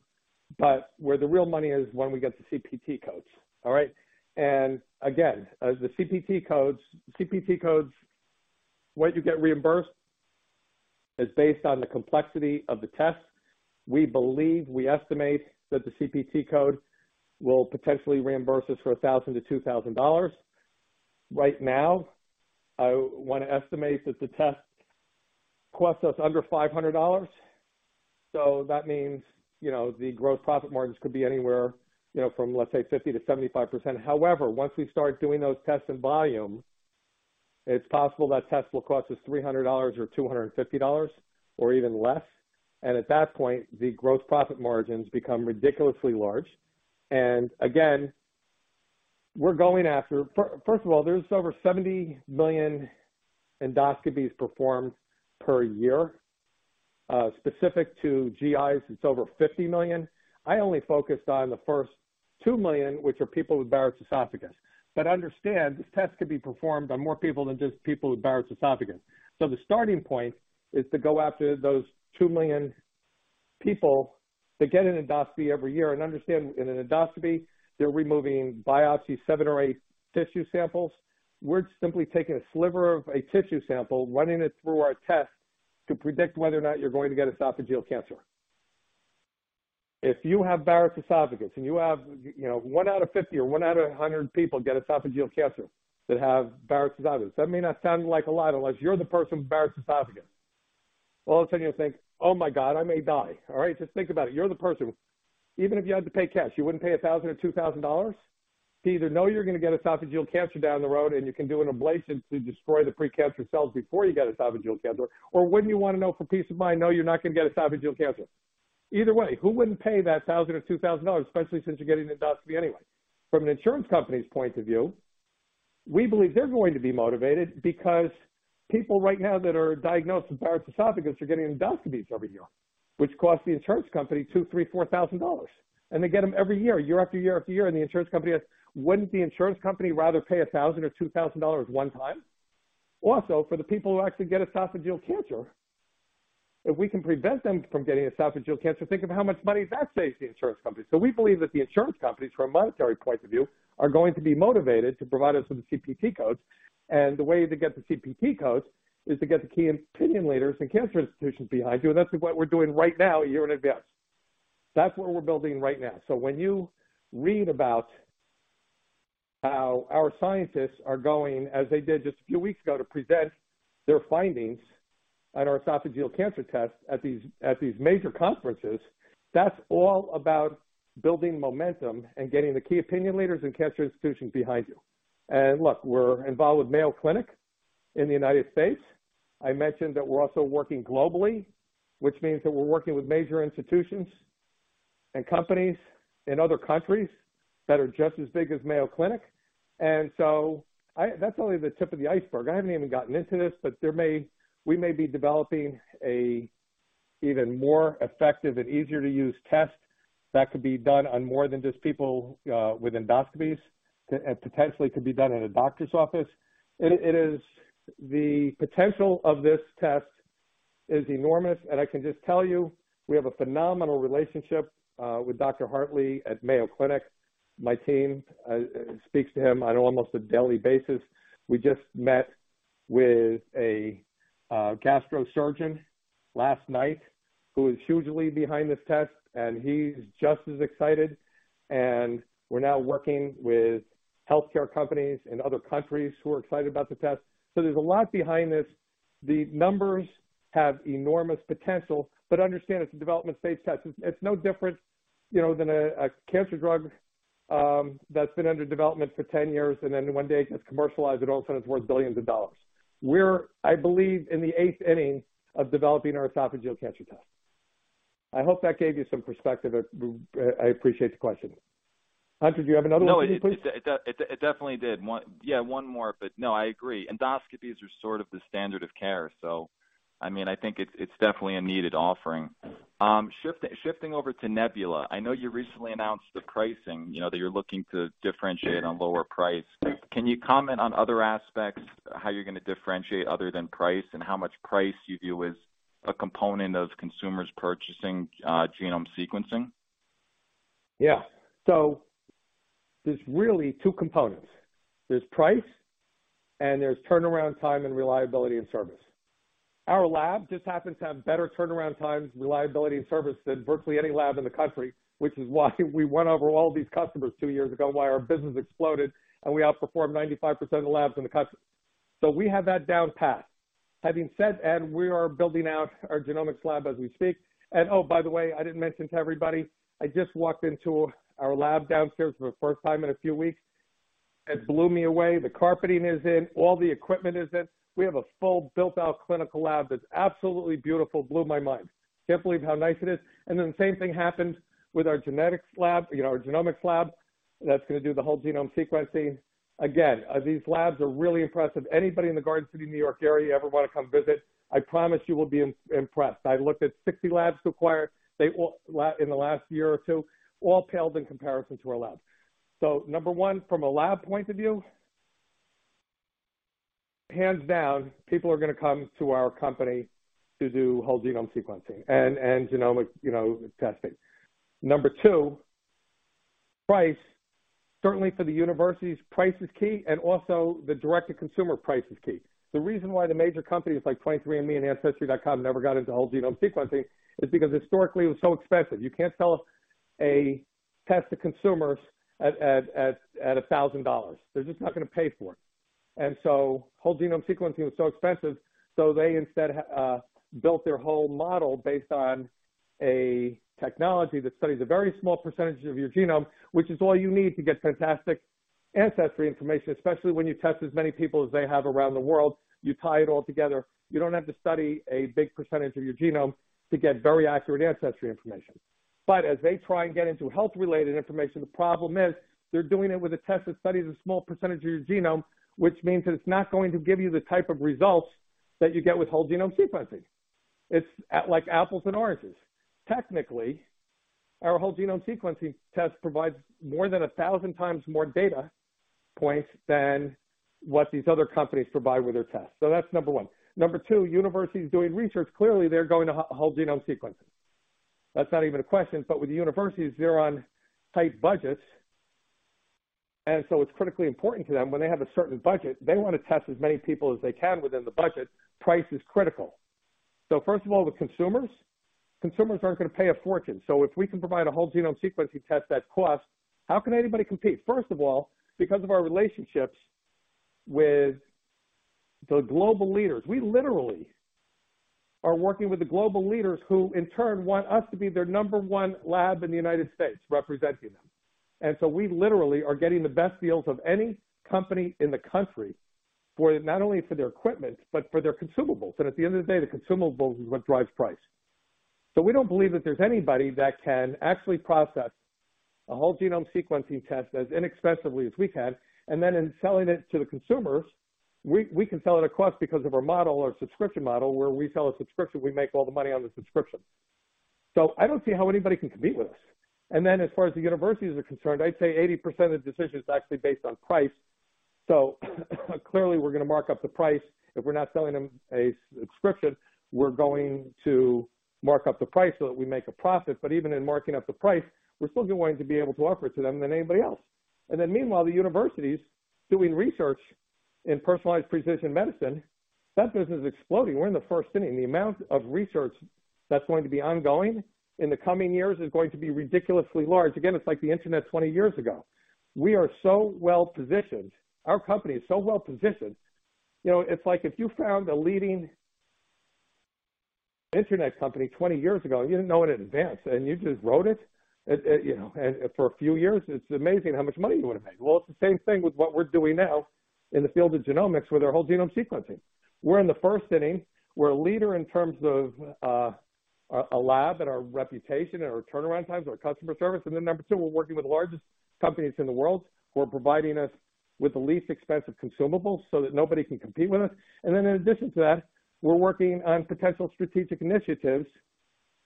but where the real money is when we get the CPT codes. All right? Again, as the CPT codes, what you get reimbursed, is based on the complexity of the test. We believe, we estimate that the CPT code will potentially reimburse us for $1,000-$2,000. Right now, I want to estimate that the test costs us under $500. That means, you know, the gross profit margins could be anywhere, you know, from, let's say 50%-75%. Once we start doing those tests in volume, it's possible that test will cost us $300 or $250 or even less. At that point, the gross profit margins become ridiculously large. Again, we're going after. First of all, there's over 70 million endoscopies performed per year. Specific to GIs, it's over 50 million. I only focused on the first 2 million, which are people with Barrett's esophagus. Understand, this test could be performed on more people than just people with Barrett's esophagus. The starting point is to go after those 2 million people that get an endoscopy every year. Understand, in an endoscopy, they're removing biopsy, seven or eight tissue samples. We're simply taking a sliver of a tissue sample, running it through our test to predict whether or not you're going to get esophageal cancer. If you have Barrett's esophagus and you have, you know, one out of 50 or one out of 100 people get esophageal cancer that have Barrett's esophagus. That may not sound like a lot unless you're the person with Barrett's esophagus. All of a sudden you'll think, "Oh my God, I may die." All right? Just think about it. You're the person. Even if you had to pay cash, you wouldn't pay $1,000 or $2,000 to either know you're gonna get esophageal cancer down the road and you can do an ablation to destroy the pre-cancer cells before you get esophageal cancer or wouldn't you wanna know for peace of mind, no, you're not gonna get esophageal cancer? Either way, who wouldn't pay that $1,000 or $2,000, especially since you're getting endoscopy anyway? From an insurance company's point of view, we believe they're going to be motivated because people right now that are diagnosed with Barrett's esophagus are getting endoscopies every year, which costs the insurance company $2,000, $3,000, $4,000. They get them every year after year after year. Wouldn't the insurance company rather pay $1,000 or $2,000 one time? Also, for the people who actually get esophageal cancer, if we can prevent them from getting esophageal cancer, think of how much money that saves the insurance company. We believe that the insurance companies, from a monetary point of view, are going to be motivated to provide us with the CPT codes, and the way to get the CPT codes is to get the key opinion leaders and cancer institutions behind you. That's what we're doing right now a year in advance. That's what we're building right now. When you read about how our scientists are going, as they did just a few weeks ago, to present their findings on our esophageal cancer test at these major conferences, that's all about building momentum and getting the key opinion leaders and cancer institutions behind you. Look, we're involved with Mayo Clinic in the United States. I mentioned that we're also working globally, which means that we're working with major institutions. And companies in other countries that are just as big as Mayo Clinic. That's only the tip of the iceberg. I haven't even gotten into this, we may be developing a even more effective and easier to use test that could be done on more than just people with endoscopies, and potentially could be done in a doctor's office. It is the potential of this test is enormous, and I can just tell you, we have a phenomenal relationship with Dr. Hartley at Mayo Clinic. My team speaks to him on almost a daily basis. We just met with a gastro surgeon last night who is hugely behind this test, he's just as excited. We're now working with healthcare companies in other countries who are excited about the test. There's a lot behind this. The numbers have enormous potential, understand it's a development-stage test. It's no different, you know, than a cancer drug that's been under development for 10 years and then one day it gets commercialized and all of a sudden it's worth billions of dollars. We're, I believe, in the eighth inning of developing our esophageal cancer test. I hope that gave you some perspective. I appreciate the question. Hunter, do you have another one for me, please? No, it definitely did. One. Yeah, one more. No, I agree. Endoscopies are sort of the standard of care, so, I mean, I think it's definitely a needed offering. Shifting over to Nebula, I know you recently announced the pricing, you know, that you're looking to differentiate on lower price. Right. Can you comment on other aspects, how you're gonna differentiate other than price, and how much price you view as a component of consumers purchasing, genome sequencing? Yeah. There's really two components. There's price, and there's turnaround time and reliability and service. Our lab just happens to have better turnaround times, reliability and service than virtually any lab in the country, which is why we won over all these customers two years ago, and why our business exploded, and we outperformed 95% of the labs in the country. We have that down pat. Having said that, we are building out our genomics lab as we speak. Oh, by the way, I didn't mention to everybody, I just walked into our lab downstairs for the first time in a few weeks. It blew me away. The carpeting is in, all the equipment is in. We have a full built-out clinical lab that's absolutely beautiful. Blew my mind. Can't believe how nice it is. The same thing happened with our genetics lab, you know, our genomics lab that's gonna do the whole genome sequencing. Again, these labs are really impressive. Anybody in the Garden City, New York area, you ever wanna come visit, I promise you will be impressed. I looked at 60 labs to acquire in the last year or two, all paled in comparison to our labs. Number one, from a lab point of view, hands down, people are gonna come to our company to do whole genome sequencing and genomic, you know, testing. Number two, price. Certainly for the universities, price is key, and also the direct to consumer price is key. The reason why the major companies like 23andMe and Ancestry.com never got into whole genome sequencing is because historically it was so expensive. You can't sell a test to consumers at $1,000. They're just not gonna pay for it. Whole genome sequencing was so expensive, so they instead built their whole model based on a technology that studies a very small percentage of your genome, which is all you need to get fantastic ancestry information, especially when you test as many people as they have around the world. You tie it all together. You don't have to study a big percentage of your genome to get very accurate ancestry information. As they try and get into health-related information, the problem is they're doing it with a test that studies a small percentage of your genome, which means that it's not going to give you the type of results that you get with whole genome sequencing. It's at like apples and oranges. Technically, our whole genome sequencing test provides more than 1,000 times more data points than what these other companies provide with their tests. That's number one. Number two, universities doing research, clearly they're going to whole genome sequencing. That's not even a question. With the universities, they're on tight budgets, it's critically important to them when they have a certain budget, they wanna test as many people as they can within the budget. Price is critical. First of all, the consumers aren't gonna pay a fortune. If we can provide a whole genome sequencing test at cost, how can anybody compete? First of all, because of our relationships with the global leaders. We literally are working with the global leaders who in turn want us to be their number one lab in the United States representing them. We literally are getting the best deals of any company in the country for not only for their equipment but for their consumables. At the end of the day, the consumables is what drives price. We don't believe that there's anybody that can actually process a whole genome sequencing test as inexpensively as we can, and then in selling it to the consumers, we can sell it at cost because of our model, our subscription model, where we sell a subscription, we make all the money on the subscription. I don't see how anybody can compete with us. As far as the universities are concerned, I'd say 80% of the decision is actually based on price. Clearly we're gonna mark up the price if we're not selling them a subscription, we're going to mark up the price so that we make a profit. Even in marking up the price, we're still going to be able to offer it to them than anybody else. Meanwhile, the universities doing research in personalized precision medicine, that business is exploding. We're in the first inning. The amount of research that's going to be ongoing in the coming years is going to be ridiculously large. Again, it's like the internet 20 years ago. We are so well-positioned. Our company is so well-positioned. You know, it's like if you found a leading internet company 20 years ago, and you didn't know it in advance, and you just rode it, you know, and for a few years, it's amazing how much money you would've made. Well, it's the same thing with what we're doing now in the field of genomics with our whole genome sequencing. We're in the first inning. We're a leader in terms of a lab and our reputation and our turnaround times, our customer service. Number two, we're working with the largest companies in the world who are providing us with the least expensive consumables so that nobody can compete with us. In addition to that, we're working on potential strategic initiatives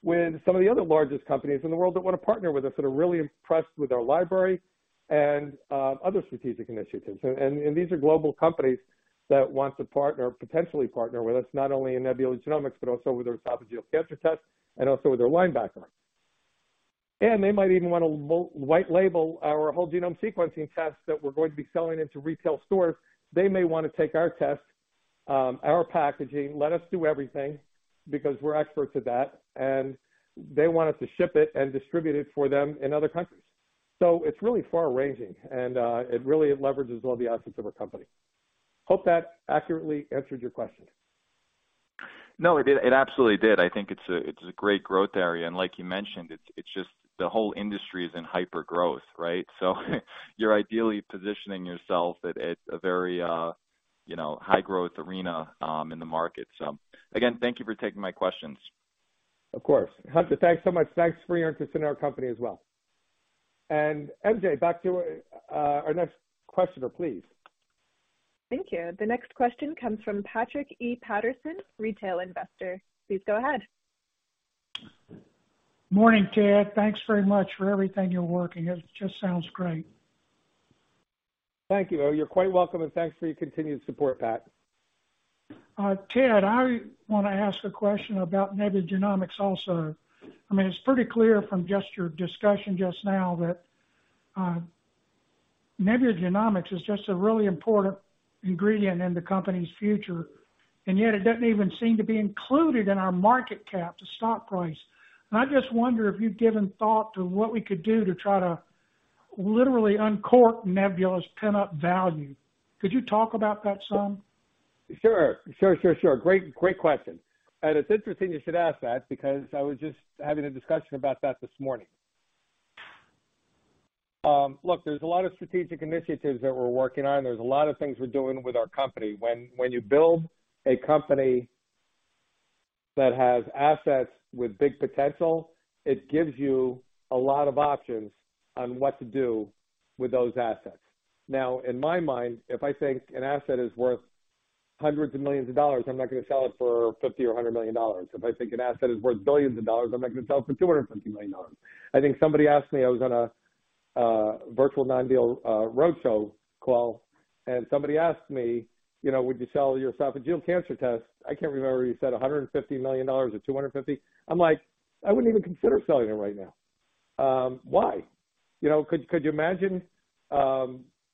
with some of the other largest companies in the world that wanna partner with us, that are really impressed with our library and other strategic initiatives. These are global companies that want to potentially partner with us, not only in Nebula Genomics, but also with our esophageal cancer test and also with our Linebacker. They might even want to white label our whole genome sequencing test that we're going to be selling into retail stores. They may wanna take our test, our packaging, let us do everything because we're experts at that, and they want us to ship it and distribute it for them in other countries. It's really far-ranging, and it really leverages all the assets of our company. Hope that accurately answered your question. No, it did. It absolutely did. I think it's a great growth area, like you mentioned, it's just the whole industry is in hypergrowth, right? You're ideally positioning yourself at a very, you know, high growth arena in the market. Again, thank you for taking my questions. Of course. Hunter, thanks so much. Thanks for your interest in our company as well. MJ, back to our next questioner, please. Thank you. The next question comes from Patrick E. Patterson, retail investor. Please go ahead. Morning, Ted. Thanks very much for everything you're working. It just sounds great. Thank you. Oh, you're quite welcome. Thanks for your continued support, Pat. Ted, I wanna ask a question about Nebula Genomics also. I mean, it's pretty clear from just your discussion just now that Nebula Genomics is just a really important ingredient in the company's future, and yet it doesn't even seem to be included in our market cap, the stock price. I just wonder if you've given thought to what we could do to try to literally uncork Nebula's pent-up value. Could you talk about that some? Sure. Sure, sure. Great question. It's interesting you should ask that because I was just having a discussion about that this morning. Look, there's a lot of strategic initiatives that we're working on. There's a lot of things we're doing with our company. When you build a company that has assets with big potential, it gives you a lot of options on what to do with those assets. Now, in my mind, if I think an asset is worth hundreds of millions of dollars, I'm not gonna sell it for $50 million or $100 million. If I think an asset is worth billions of dollars, I'm not gonna sell it for $250 million. I think somebody asked me, I was on a virtual non-deal roadshow call, and somebody asked me, you know, "Would you sell your esophageal cancer test?" I can't remember if you said $150 million or $250 million. I'm like, "I wouldn't even consider selling it right now." Why? You know, could you imagine, you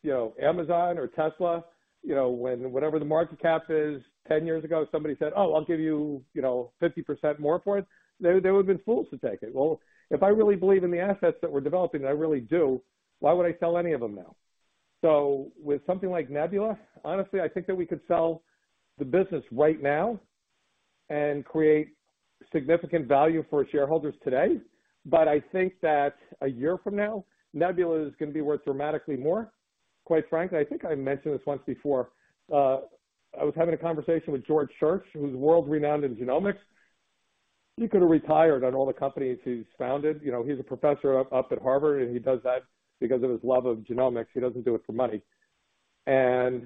know, Amazon or Tesla, you know, when whatever the market cap is 10 years ago, somebody said, "Oh, I'll give you know, 50% more for it." They would've been fools to take it. Well, if I really believe in the assets that we're developing, and I really do, why would I sell any of them now? With something like Nebula, honestly, I think that we could sell the business right now and create significant value for shareholders today. I think that a year from now, Nebula is gonna be worth dramatically more. Quite frankly, I think I mentioned this once before. I was having a conversation with George Church, who's world-renowned in genomics. He could have retired on all the companies he's founded. You know, he's a professor up at Harvard, and he does that because of his love of genomics. He doesn't do it for money. You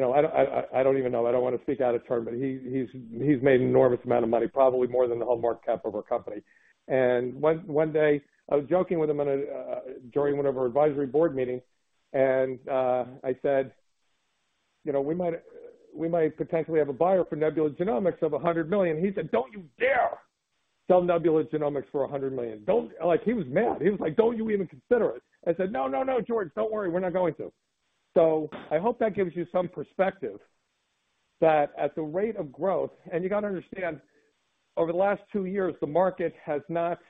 know, I don't even know. I don't wanna speak out of turn, but he's made an enormous amount of money, probably more than the whole market cap of our company. One day I was joking with him on a during one of our advisory board meetings, and I said, "You know, we might potentially have a buyer for Nebula Genomics of $100 million." He said, "Don't you dare sell Nebula Genomics for $100 million. Don't." Like, he was mad. He was like, "Don't you even consider it." I said, "No, no, George, don't worry. We're not going to." I hope that gives you some perspective that at the rate of growth, and you gotta understand, over the last two years, the market has not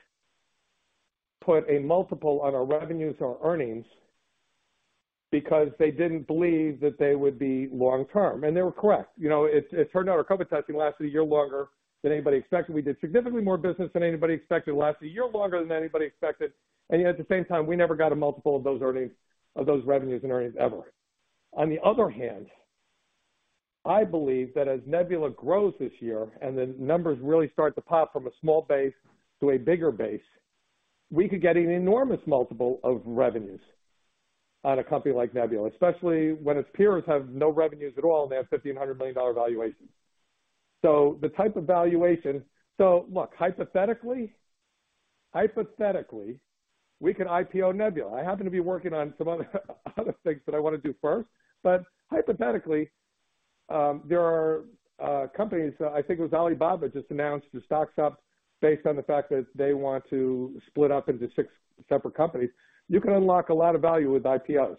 put a multiple on our revenues or earnings because they didn't believe that they would be long-term. They were correct. You know, it turned out our COVID testing lasted a year longer than anybody expected. We did significantly more business than anybody expected. It lasted a year longer than anybody expected. Yet at the same time, we never got a multiple of those revenues and earnings ever. On the other hand, I believe that as Nebula grows this year and the numbers really start to pop from a small base to a bigger base, we could get an enormous multiple of revenues on a company like Nebula, especially when its peers have no revenues at all, and they have $1,500 million valuations. The type of valuation, hypothetically, we can IPO Nebula. I happen to be working on some other things that I wanna do first. But, hypothetically, there are companies, I think it was Alibaba just announced their stock's up based on the fact that they want to split up into six separate companies. You can unlock a lot of value with IPOs.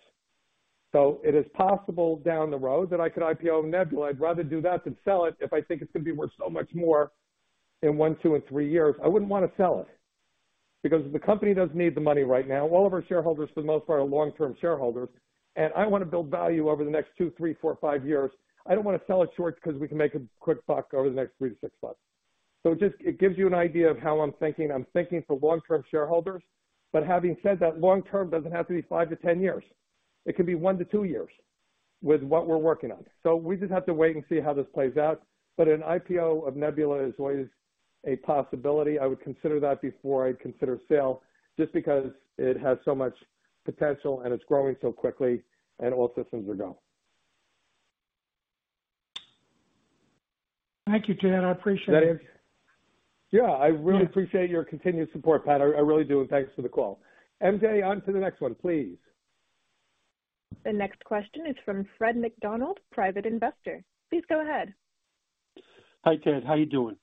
It is possible down the road that I could IPO Nebula. I'd rather do that than sell it if I think it's gonna be worth so much more in one, two, and three years. I wouldn't wanna sell it because the company doesn't need the money right now. All of our shareholders, for the most part, are long-term shareholders, and I wanna build value over the next two, three, four, five years. I don't wanna sell it short because we can make a quick buck over the next three to six months. Just, it gives you an idea of how I'm thinking. I'm thinking for long-term shareholders. Having said that, long-term doesn't have to be five to 10 years. It could be one to two years. With what we're working on. We just have to wait and see how this plays out. An IPO of Nebula is always a possibility. I would consider that before I'd consider sale, just because it has so much potential and it's growing so quickly and all systems are go. Thank you, Ted. I appreciate it. Yeah. I really appreciate your continued support, Pat. I really do. Thanks for the call. MJ, on to the next one, please. The next question is from Fred McDonald, private investor. Please go ahead. Hi, Ted. How are you doing?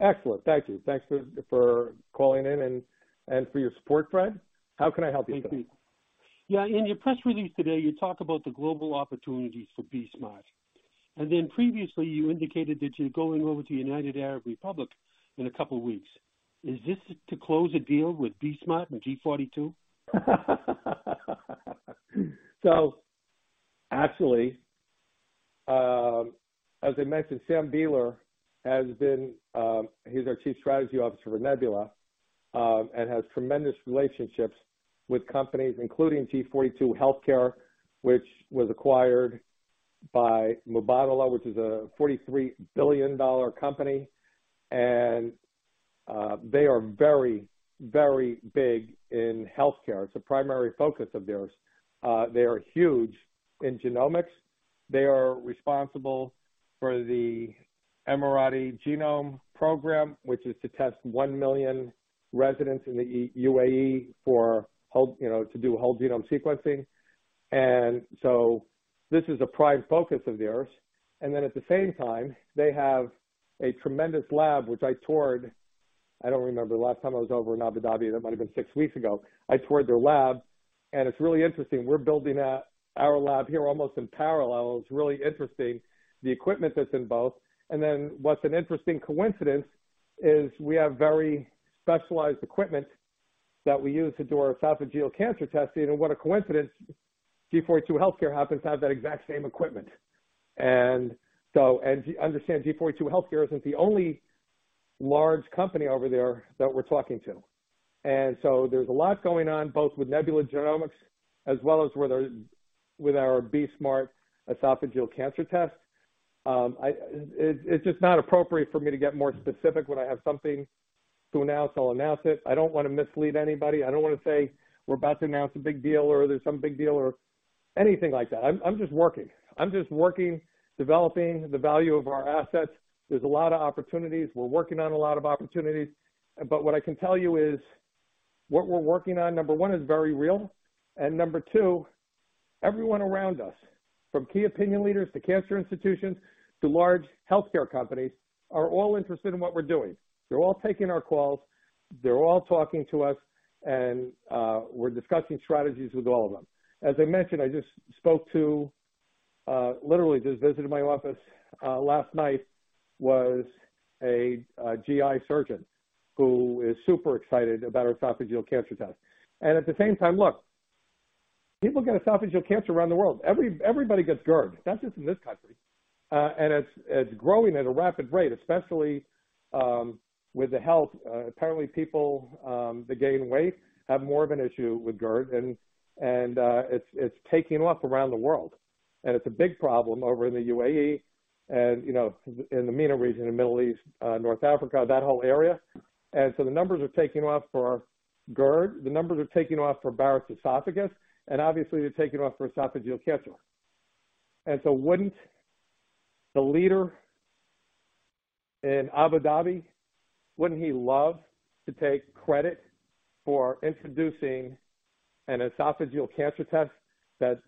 Excellent. Thank you. Thanks for calling in and for your support, Fred. How can I help you today? Yeah. In your press release today, you talk about the global opportunities for BE-Smart. Previously you indicated that you're going over to United Arab Emirates in a couple of weeks. Is this to close a deal with BE-Smart and G42? Actually, as I mentioned, Sam Beeler has been, he's our Chief Strategy Officer for Nebula, and has tremendous relationships with companies including G42 Healthcare, which was acquired by Mubadala, which is a $43 billion company. They are very, very big in healthcare. It's a primary focus of theirs. They are huge in genomics. They are responsible for the Emirati Genome Program, which is to test 1 million residents in the UAE for whole, you know, to do whole genome sequencing. This is a prime focus of theirs. At the same time, they have a tremendous lab, which I toured. I don't remember the last time I was over in Abu Dhabi. That might have been six weeks ago. I toured their lab, and it's really interesting. We're building our lab here almost in parallel. It's really interesting, the equipment that's in both. What's an interesting coincidence is we have very specialized equipment that we use to do our esophageal cancer testing. What a coincidence, G42 Healthcare happens to have that exact same equipment. Understand G42 Healthcare isn't the only large company over there that we're talking to. There's a lot going on, both with Nebula Genomics as well as with our BE-Smart esophageal cancer test. It's just not appropriate for me to get more specific. When I have something to announce, I'll announce it. I don't wanna mislead anybody. I don't wanna say we're about to announce a big deal or there's some big deal or anything like that. I'm just working. I'm just working, developing the value of our assets. There's a lot of opportunities. We're working on a lot of opportunities. What I can tell you is, what we're working on, number one, is very real. Number two, everyone around us, from key opinion leaders to cancer institutions to large healthcare companies, are all interested in what we're doing. They're all taking our calls, they're all talking to us, we're discussing strategies with all of them. As I mentioned, I just spoke to, literally just visited my office, last night was a GI surgeon who is super excited about our esophageal cancer test. At the same time, look, people get esophageal cancer around the world. Everybody gets GERD. That's just in this country. It's growing at a rapid rate, especially with the health. Apparently people, they gain weight, have more of an issue with GERD, it's taking off around the world. It's a big problem over in the UAE, you know, in the MENA region, in Middle East, North Africa, that whole area. The numbers are taking off for GERD, the numbers are taking off for Barrett's esophagus, and obviously they're taking off for esophageal cancer. Wouldn't the leader in Abu Dhabi, wouldn't he love to take credit for introducing an esophageal cancer test that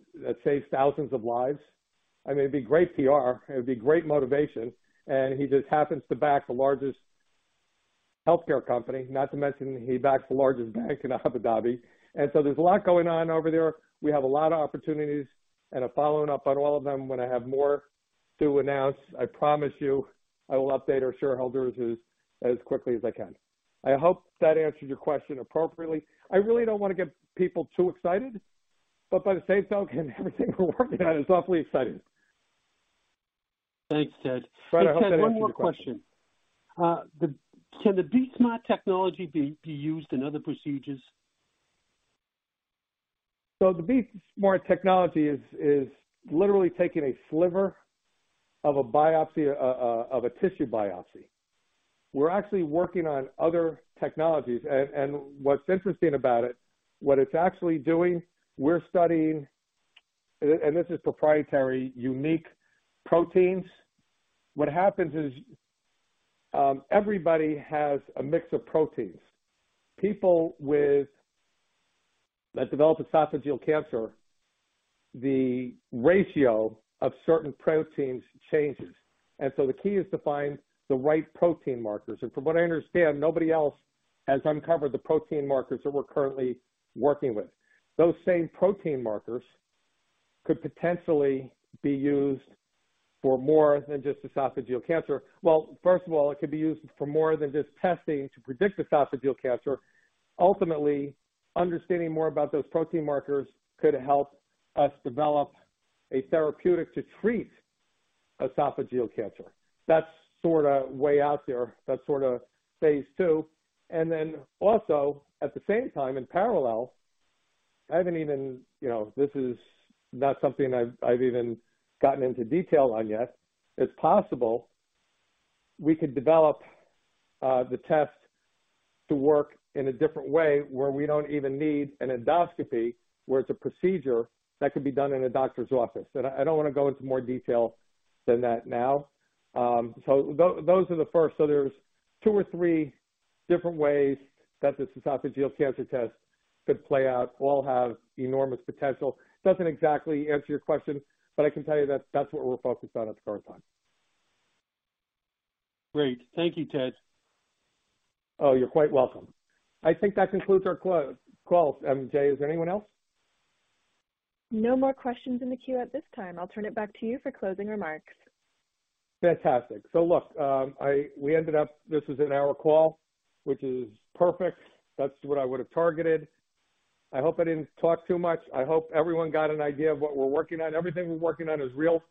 saves thousands of lives? I mean, it'd be great PR, it would be great motivation. He just happens to back the largest healthcare company. Not to mention he backs the largest bank in Abu Dhabi. There's a lot going on over there. We have a lot of opportunities and are following up on all of them. When I have more to announce, I promise you, I will update our shareholders as quickly as I can. I hope that answers your question appropriately. I really don't wanna get people too excited, but by the same token, everything we're working on is awfully exciting. Thanks, Ted. Fred, I hope that answers your question. Hey, Ted, one more question. Can the BE-Smart technology be used in other procedures? The BE-Smart technology is literally taking a sliver of a biopsy of a tissue biopsy. We're actually working on other technologies. What's interesting about it, what it's actually doing, we're studying, and this is proprietary, unique proteins. What happens is, everybody has a mix of proteins. People that develop esophageal cancer, the ratio of certain proteins changes. The key is to find the right protein markers. From what I understand, nobody else has uncovered the protein markers that we're currently working with. Those same protein markers could potentially be used for more than just esophageal cancer. Well, first of all, it could be used for more than just testing to predict esophageal cancer. Ultimately, understanding more about those protein markers could help us develop a therapeutic to treat Esophageal cancer. That's sorta way out there. That's sorta phase II. Also at the same time, in parallel, I haven't even. You know, this is not something I've even gotten into detail on yet. It's possible we could develop the test to work in a different way where we don't even need an endoscopy, where it's a procedure that could be done in a doctor's office. I don't wanna go into more detail than that now. Those are the first. There's two or three different ways that this esophageal cancer test could play out. All have enormous potential. Doesn't exactly answer your question, but I can tell you that that's what we're focused on at current time. Great. Thank you, Ted. Oh, you're quite welcome. I think that concludes our calls, MJ. Is there anyone else? No more questions in the queue at this time. I'll turn it back to you for closing remarks. Fantastic. Look, we ended up, this is a one-hour call, which is perfect. That's what I would have targeted. I hope I didn't talk too much. I hope everyone got an idea of what we're working on. Everything we're working on is real.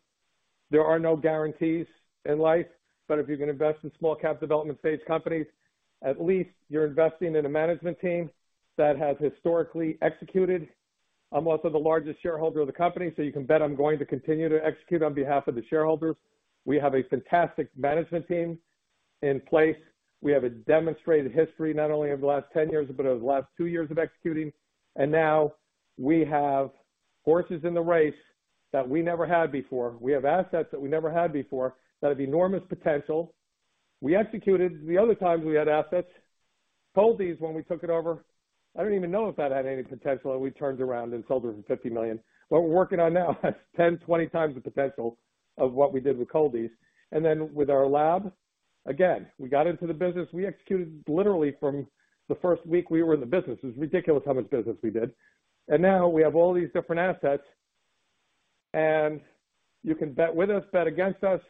There are no guarantees in life, but if you're gonna invest in small cap development stage companies, at least you're investing in a management team that has historically executed. I'm also the largest shareholder of the company, so you can bet I'm going to continue to execute on behalf of the shareholders. We have a fantastic management team in place. We have a demonstrated history, not only over the last 10 years, but over the last two years of executing. Now we have horses in the race that we never had before. We have assets that we never had before that have enormous potential. We executed. The other times we had assets, Cold-EEZE when we took it over, I don't even know if that had any potential, and we turned around and sold it for $50 million. What we're working on now has 10x, 20x the potential of what we did with Cold-EEZE. With our lab, again, we got into the business, we executed literally from the first week we were in the business. It was ridiculous how much business we did. Now we have all these different assets, and you can bet with us, bet against us,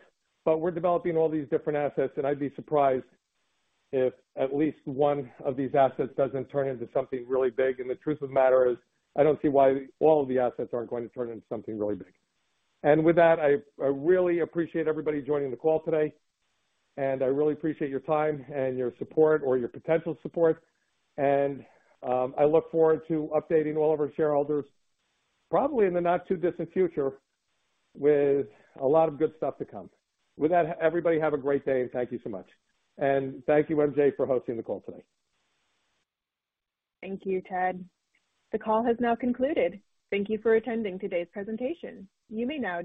we're developing all these different assets, and I'd be surprised if at least one of these assets doesn't turn into something really big. The truth of the matter is, I don't see why all of the assets aren't going to turn into something really big. With that, I really appreciate everybody joining the call today, and I really appreciate your time and your support or your potential support. I look forward to updating all of our shareholders probably in the not too distant future with a lot of good stuff to come. With that, everybody, have a great day, and thank you so much. Thank you, MJ, for hosting the call today. Thank you, Ted. The call has now concluded. Thank you for attending today's presentation. You may now.